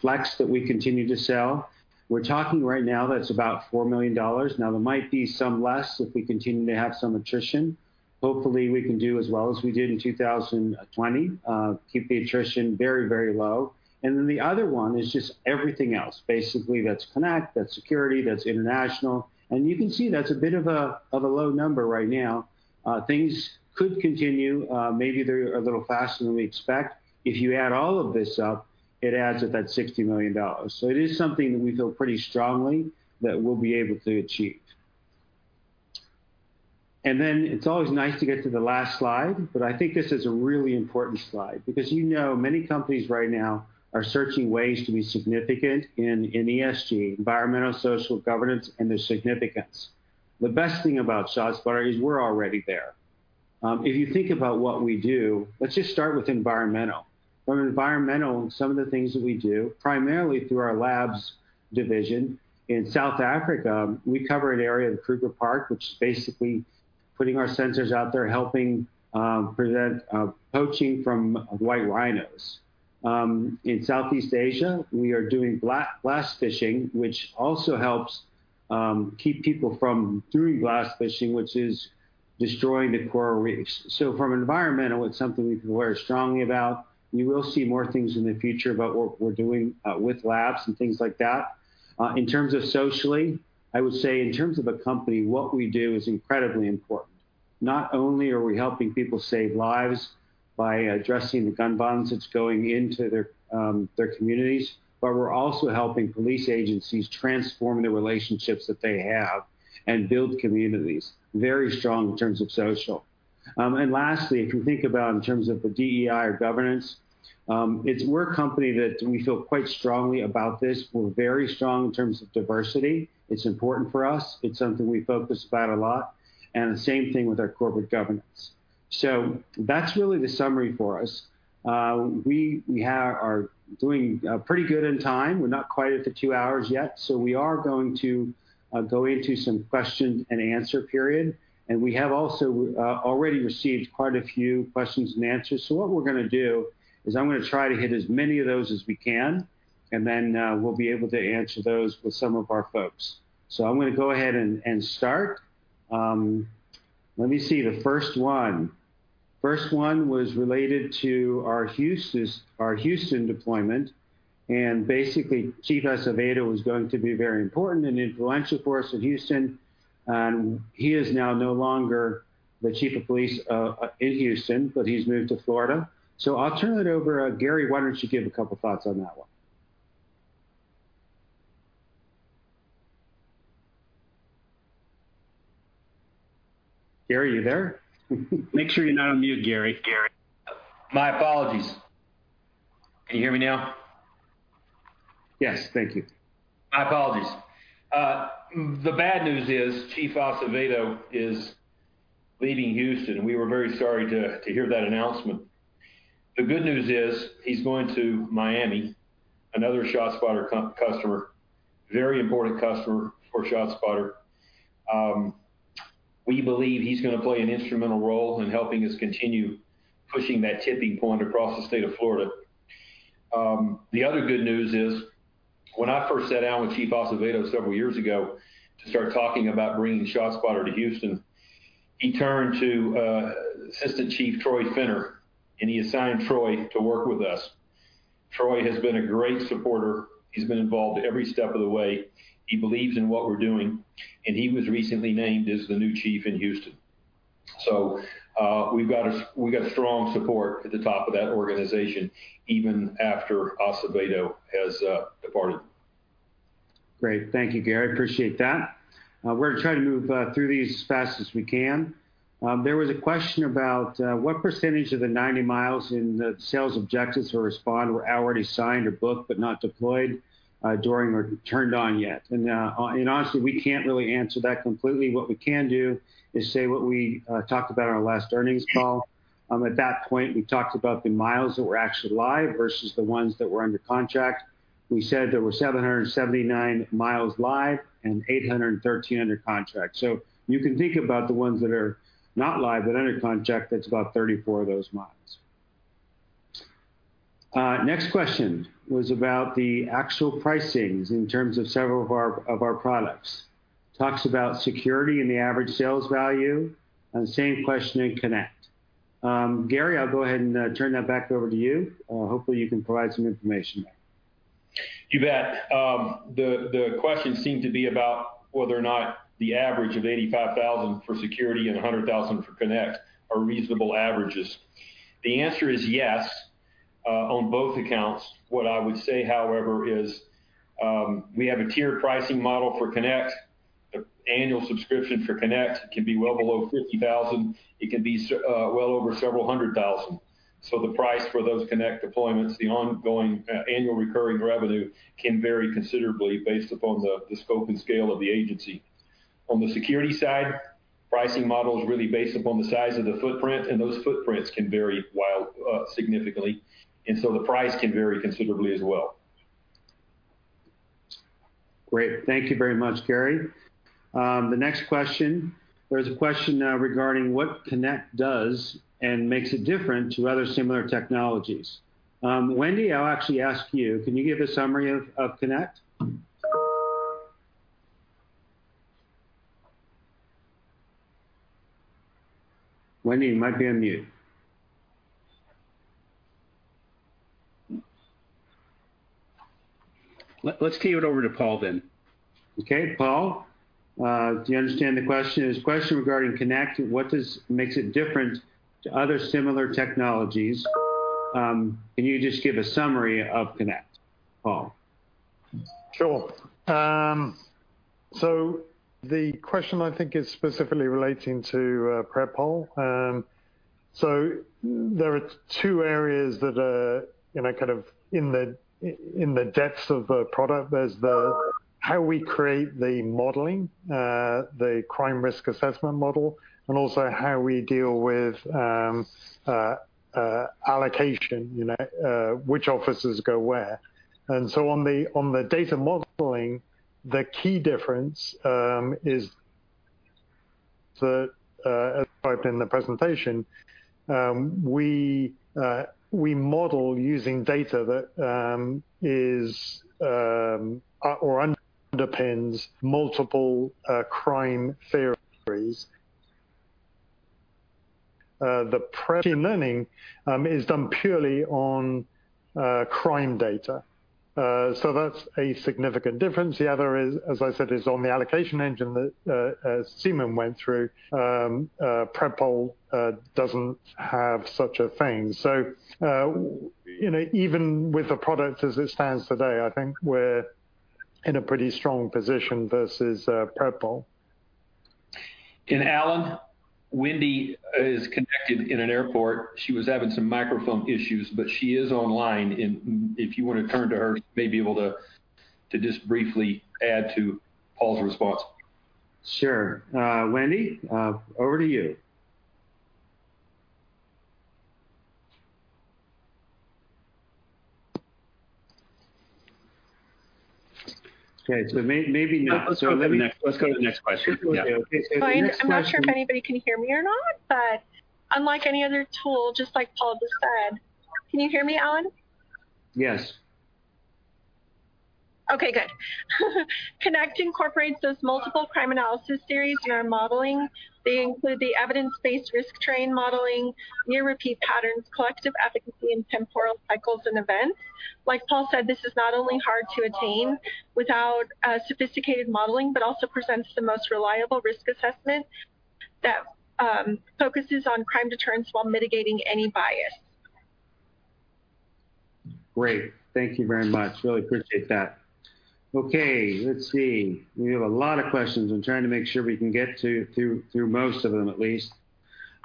Flex that we continue to sell, we're talking right now that's about $4 million. There might be some less if we continue to have some attrition. Hopefully, we can do as well as we did in 2020, keep the attrition very, very low. The other one is just everything else. Basically that's Connect, that's Security, that's international. You can see that's a bit of a low number right now. Things could continue maybe they're a little faster than we expect. If you add all of this up, it adds up at $60 million. It is something that we feel pretty strongly that we'll be able to achieve. It's always nice to get to the last slide, but I think this is a really important slide because you know many companies right now are searching ways to be significant in ESG, environmental, social governance, and their significance. The best thing about ShotSpotter is we're already there. If you think about what we do, let's just start with environmental. From environmental, some of the things that we do, primarily through our labs division in South Africa, we cover an area of Kruger Park, which is basically putting our sensors out there, helping prevent poaching from white rhinos. In Southeast Asia, we are doing blast fishing, which also helps keep people from doing blast fishing, which is destroying the coral reefs. From environmental, it's something we feel very strongly about. You will see more things in the future about what we're doing with labs and things like that. In terms of socially, I would say in terms of a company, what we do is incredibly important. Not only are we helping people save lives by addressing the gun violence that's going into their communities, but we're also helping police agencies transform the relationships that they have and build communities. Very strong in terms of social. Lastly, if you think about in terms of the DEI or governance, we're a company that we feel quite strongly about this. We're very strong in terms of diversity. It's important for us. It's something we focus about a lot, and the same thing with our corporate governance. That's really the summary for us. We are doing pretty good in time. We're not quite at the two hours yet, we are going to go into some question and answer period, and we have also already received quite a few questions and answers. What we're going to do is I'm going to try to hit as many of those as we can, and then we'll be able to answer those with some of our folks. I'm going to go ahead and start. Let me see the first one. First one was related to our Houston deployment, and basically, Chief Acevedo was going to be very important and influential for us in Houston. He is now no longer the Chief of Police in Houston, he's moved to Florida. I'll turn it over. Gary, why don't you give a couple thoughts on that one. Gary, are you there? Make sure you're not on mute, Gary. My apologies. Can you hear me now? Yes. Thank you. My apologies. The bad news is Chief Acevedo is leaving Houston. We were very sorry to hear that announcement. The good news is he's going to Miami, another ShotSpotter customer, very important customer for ShotSpotter. We believe he's going to play an instrumental role in helping us continue pushing that tipping point across the state of Florida. The other good news is when I first sat down with Chief Acevedo several years ago to start talking about bringing ShotSpotter to Houston, he turned to Assistant Chief Troy Finner. He assigned Troy to work with us. Troy has been a great supporter. He's been involved every step of the way. He believes in what we're doing. He was recently named as the new chief in Houston. We've got strong support at the top of that organization, even after Acevedo has departed. Great. Thank you, Gary. Appreciate that. We're going to try to move through these as fast as we can. There was a question about what percentage of the 90 mi in the sales objectives for Respond were already signed or booked but not deployed during or turned on yet. Honestly, we can't really answer that completely. What we can do is say what we talked about on our last earnings call. At that point, we talked about the miles that were actually live versus the ones that were under contract. We said there were 779 mi live and 813 under contract. You can think about the ones that are not live but under contract. That's about 34 of those miles. Next question was about the actual pricings in terms of several of our products. Talks about Security and the average sales value, and same question in Connect. Gary, I'll go ahead and turn that back over to you. Hopefully, you can provide some information there. You bet. The question seemed to be about whether or not the average of $85,000 for Security and $100,000 for Connect are reasonable averages. The answer is yes, on both accounts. What I would say, however, is we have a tiered pricing model for Connect. The annual subscription for Connect can be well below $50,000. It can be well over several hundred thousand. The price for those Connect deployments, the ongoing annual recurring revenue, can vary considerably based upon the scope and scale of the agency. On the Security side, pricing model is really based upon the size of the footprint, and those footprints can vary significantly, and so the price can vary considerably as well. Great. Thank you very much, Gary. The next question. There's a question regarding what Connect does and makes it different to other similar technologies. Wendy, I'll actually ask you, can you give a summary of Connect? Wendy, you might be on mute. Let's key it over to Paul then. Okay. Paul, do you understand the question? There's a question regarding Connect. What makes it different to other similar technologies? Can you just give a summary of Connect, Paul? Sure. The question, I think, is specifically relating to PredPol. There are two areas that are in the depths of the product. There's the how we create the modeling, the crime risk assessment model, and also how we deal with allocation, which officers go where. On the data modeling, the key difference is the, as I opened the presentation, we model using data that underpins multiple crime theories. The machine learning is done purely on crime data. That's a significant difference. The other is, as I said, is on the allocation engine that Simen went through. PredPol doesn't have such a thing. Even with the product as it stands today, I think we're in a pretty strong position versus PredPol. Alan, Wendy is connected in an airport. She was having some microphone issues, but she is online. If you want to turn to her, she may be able to just briefly add to Paul's response. Sure. Wendy, over to you. Okay, maybe not. Let's go to the next question. I'm not sure if anybody can hear me or not. Unlike any other tool, just like Paul just said. Can you hear me, Alan? Yes. Okay, good. Connect incorporates those multiple crime analysis theories we are modeling. They include the evidence-based risk terrain modeling, near repeat patterns, collective efficacy, and temporal cycles and events. Like Paul said, this is not only hard to attain without sophisticated modeling, but also presents the most reliable risk assessment that focuses on crime deterrence while mitigating any bias. Great. Thank you very much. Really appreciate that. Okay. Let's see. We have a lot of questions. I'm trying to make sure we can get through most of them, at least.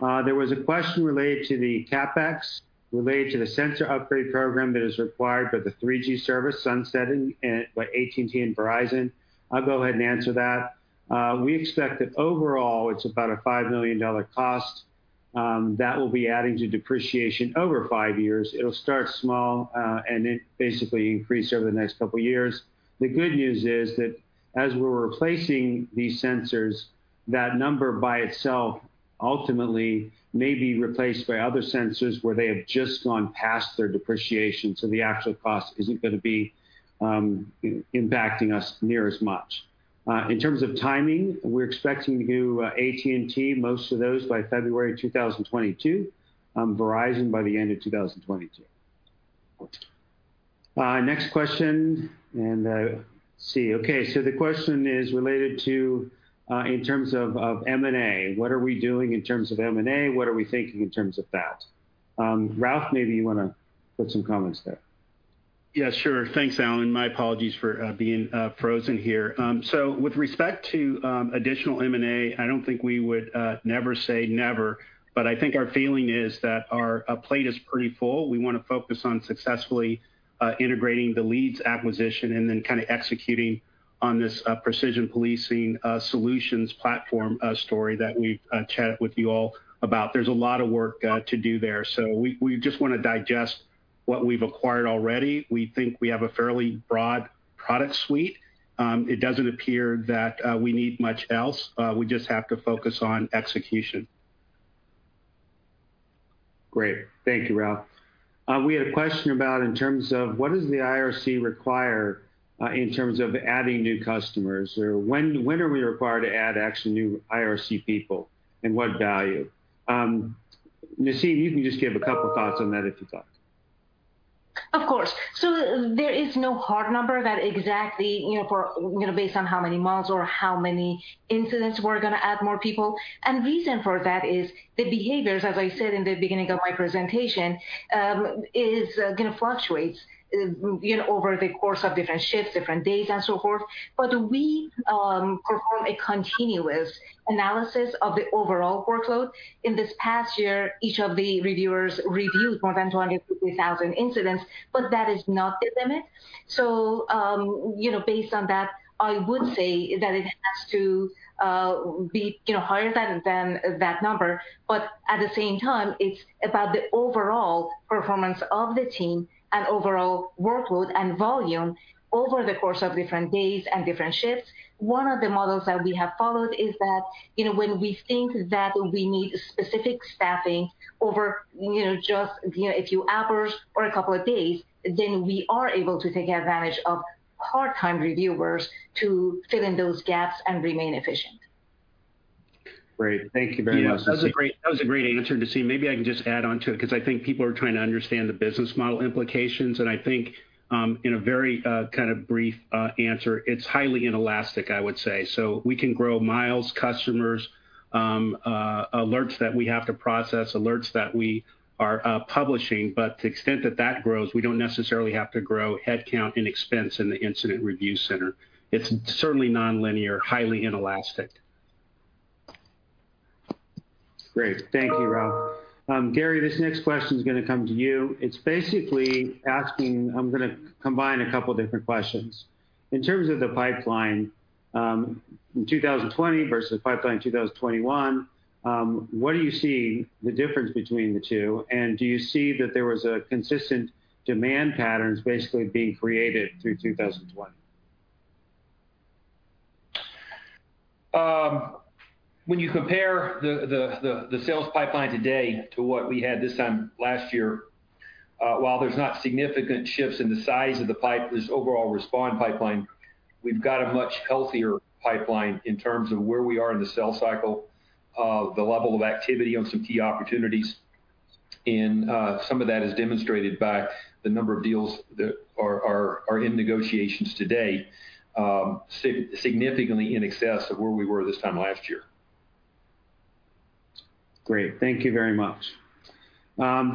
There was a question related to the CapEx, related to the sensor upgrade program that is required by the 3G service sunsetting by AT&T and Verizon. I'll go ahead and answer that. We expect that overall it's about a $5 million cost that will be adding to depreciation over five years. It'll start small, then basically increase over the next couple of years. The good news is that as we're replacing these sensors, that number by itself ultimately may be replaced by other sensors where they have just gone past their depreciation. The actual cost isn't going to be impacting us near as much. In terms of timing, we're expecting to do AT&T, most of those by February 2022, Verizon by the end of 2022. Next question. Let's see. Okay. The question is related to in terms of M&A. What are we doing in terms of M&A? What are we thinking in terms of that? Ralph, maybe you want to put some comments there. Yeah, sure. Thanks, Alan. My apologies for being frozen here. With respect to additional M&A, I don't think we would never say never, but I think our feeling is that our plate is pretty full. We want to focus on successfully integrating the LEEDS acquisition and then kind of executing on this Precision Policing solutions platform story that we've chatted with you all about. There's a lot of work to do there. We just want to digest what we've acquired already. We think we have a fairly broad product suite. It doesn't appear that we need much else. We just have to focus on execution. Great. Thank you, Ralph. We had a question about in terms of what does the IRC require in terms of adding new customers, or when are we required to add actual new IRC people and what value? Nasim, you can just give a couple thoughts on that if you'd like. Of course. There is no hard number that exactly based on how many miles or how many incidents we're going to add more people. Reason for that is the behaviors, as I said in the beginning of my presentation, is going to fluctuate over the course of different shifts, different days, and so forth. We perform a continuous analysis of the overall workload. In this past year, each of the reviewers reviewed more than 23,000 incidents, but that is not the limit. Based on that, I would say that it has to be higher than that number. At the same time, it's about the overall performance of the team and overall workload and volume over the course of different days and different shifts. One of the models that we have followed is that when we think that we need specific staffing over just a few hours or a couple of days, we are able to take advantage of part-time reviewers to fill in those gaps and remain efficient. Great. Thank you very much. That was a great answer, Nasim. Maybe I can just add onto it because I think people are trying to understand the business model implications, and I think, in a very kind of brief answer, it's highly inelastic, I would say. We can grow miles, customers, alerts that we have to process, alerts that we are publishing. To the extent that that grows, we don't necessarily have to grow headcount and expense in the Incident Review Center. It's certainly nonlinear, highly inelastic. Great. Thank you, Ralph. Gary, this next question's going to come to you. It's basically asking, I'm going to combine a couple different questions. In terms of the pipeline in 2020 versus the pipeline in 2021, what do you see the difference between the two, and do you see that there was a consistent demand patterns basically being created through 2020? When you compare the sales pipeline today to what we had this time last year, while there's not significant shifts in the size of the pipe, this overall Respond pipeline, we've got a much healthier pipeline in terms of where we are in the sales cycle, the level of activity on some key opportunities, and some of that is demonstrated by the number of deals that are in negotiations today, significantly in excess of where we were this time last year. Great. Thank you very much.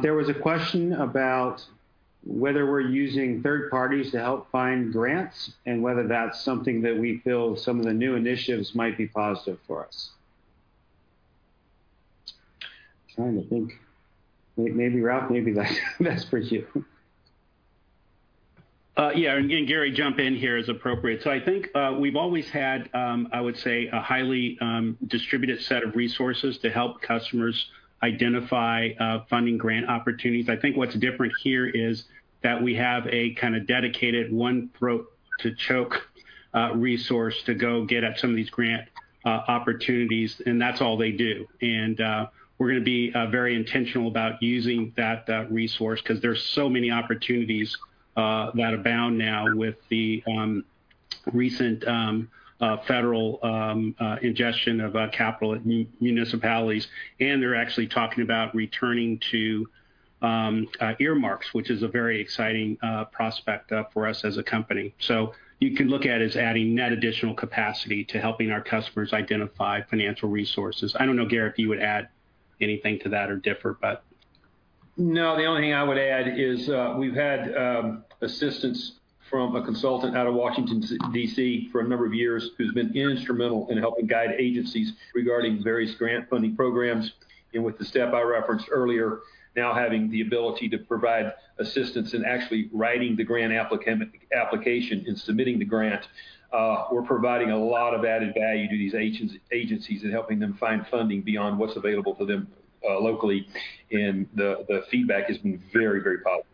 There was a question about whether we're using third parties to help find grants, and whether that's something that we feel some of the new initiatives might be positive for us. Trying to think. Maybe Ralph, maybe that's for you. Yeah. Again, Gary, jump in here as appropriate. I think we've always had, I would say, a highly distributed set of resources to help customers identify funding grant opportunities. I think what's different here is that we have a kind of dedicated one throat to choke resource to go get at some of these grant opportunities, and that's all they do. We're going to be very intentional about using that resource because there's so many opportunities that abound now with the recent federal ingestion of capital at municipalities, and they're actually talking about returning to earmarks, which is a very exciting prospect for us as a company. You can look at it as adding net additional capacity to helping our customers identify financial resources. I don't know, Gary, if you would add anything to that or differ. The only thing I would add is we've had assistance from a consultant out of Washington, D.C. for a number of years who's been instrumental in helping guide agencies regarding various grant funding programs. With the staff I referenced earlier now having the ability to provide assistance in actually writing the grant application and submitting the grant, we're providing a lot of added value to these agencies and helping them find funding beyond what's available for them locally, and the feedback has been very, very positive.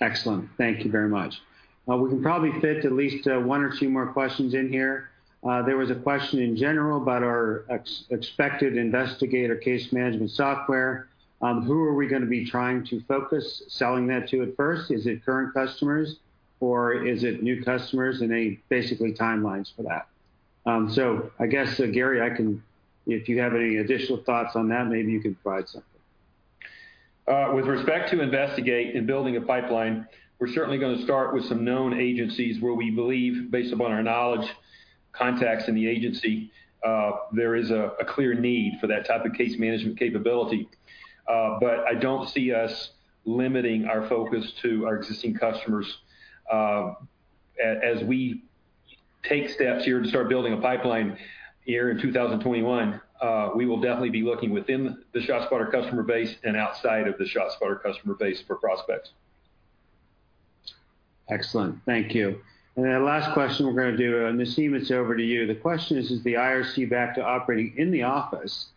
Excellent. Thank you very much. We can probably fit at least one or two more questions in here. There was a question in general about our expected Investigate case management software. Who are we going to be trying to focus selling that to at first? Is it current customers, or is it new customers, Any, basically, timelines for that? I guess, Gary, if you have any additional thoughts on that, maybe you can provide something. With respect to Investigate and building a pipeline, we're certainly going to start with some known agencies where we believe, based upon our knowledge, contacts in the agency, there is a clear need for that type of case management capability. I don't see us limiting our focus to our existing customers. As we take steps here to start building a pipeline here in 2021, we will definitely be looking within the ShotSpotter customer base and outside of the ShotSpotter customer base for prospects. Excellent. Thank you. Last question we're going to do. Nasim, it's over to you. The question is, "Is the IRC back to operating in the office?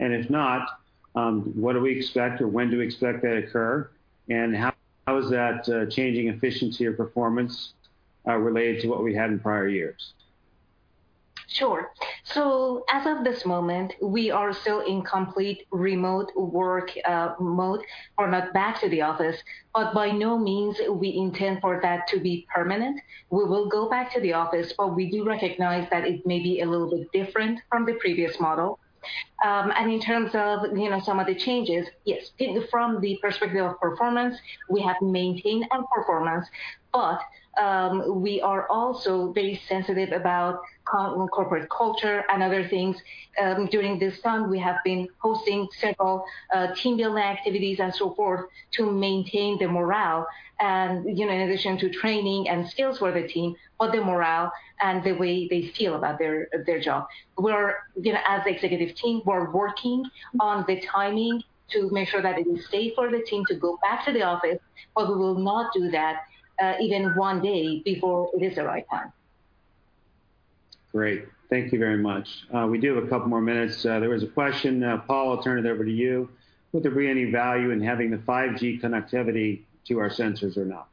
And if not, what do we expect or when do we expect that occur, and how is that changing efficiency or performance, related to what we had in prior years? Sure. As of this moment, we are still in complete remote work mode. We're not back to the office. By no means we intend for that to be permanent. We will go back to the office. We do recognize that it may be a little bit different from the previous model. In terms of some of the changes, yes, from the perspective of performance, we have maintained our performance. We are also very sensitive about corporate culture and other things. During this time, we have been hosting several team-building activities and so forth to maintain the morale, in addition to training and skills for the team, but the morale and the way they feel about their job. As the executive team, we're working on the timing to make sure that it is safe for the team to go back to the office, but we will not do that even one day before it is the right time. Great. Thank you very much. We do have a couple more minutes. There was a question, Paul, I'll turn it over to you. Would there be any value in having the 5G connectivity to our sensors or not?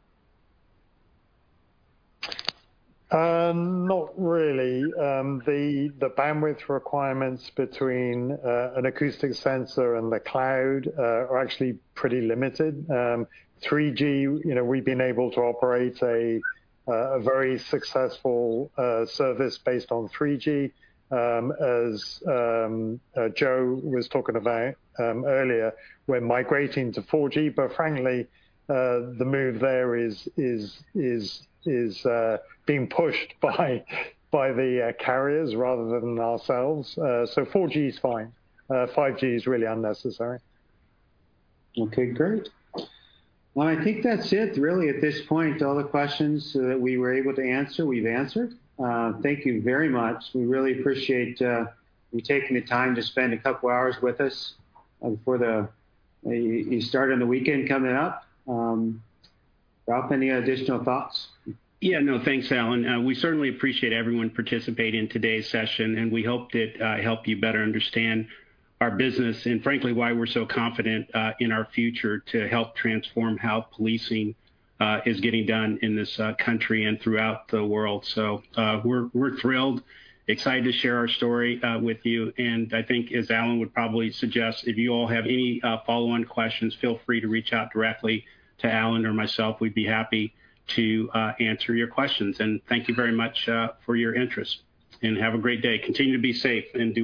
Not really. The bandwidth requirements between an acoustic sensor and the cloud are actually pretty limited. 3G, we've been able to operate a very successful service based on 3G. As Joe was talking about earlier, we're migrating to 4G. Frankly, the move there is being pushed by the carriers rather than ourselves. 4G is fine. 5G is really unnecessary. Okay, great. I think that's it, really, at this point. All the questions that we were able to answer, we've answered. Thank you very much. We really appreciate you taking the time to spend a couple hours with us before the start of the weekend coming up. Ralph, any additional thoughts? Yeah, no, thanks, Alan. We certainly appreciate everyone participating in today's session, and we hope it helped you better understand our business, and frankly, why we're so confident in our future to help transform how policing is getting done in this country and throughout the world. We're thrilled, excited to share our story with you, and I think as Alan would probably suggest, if you all have any follow-on questions, feel free to reach out directly to Alan or myself. We'd be happy to answer your questions. Thank you very much for your interest, and have a great day. Continue to be safe.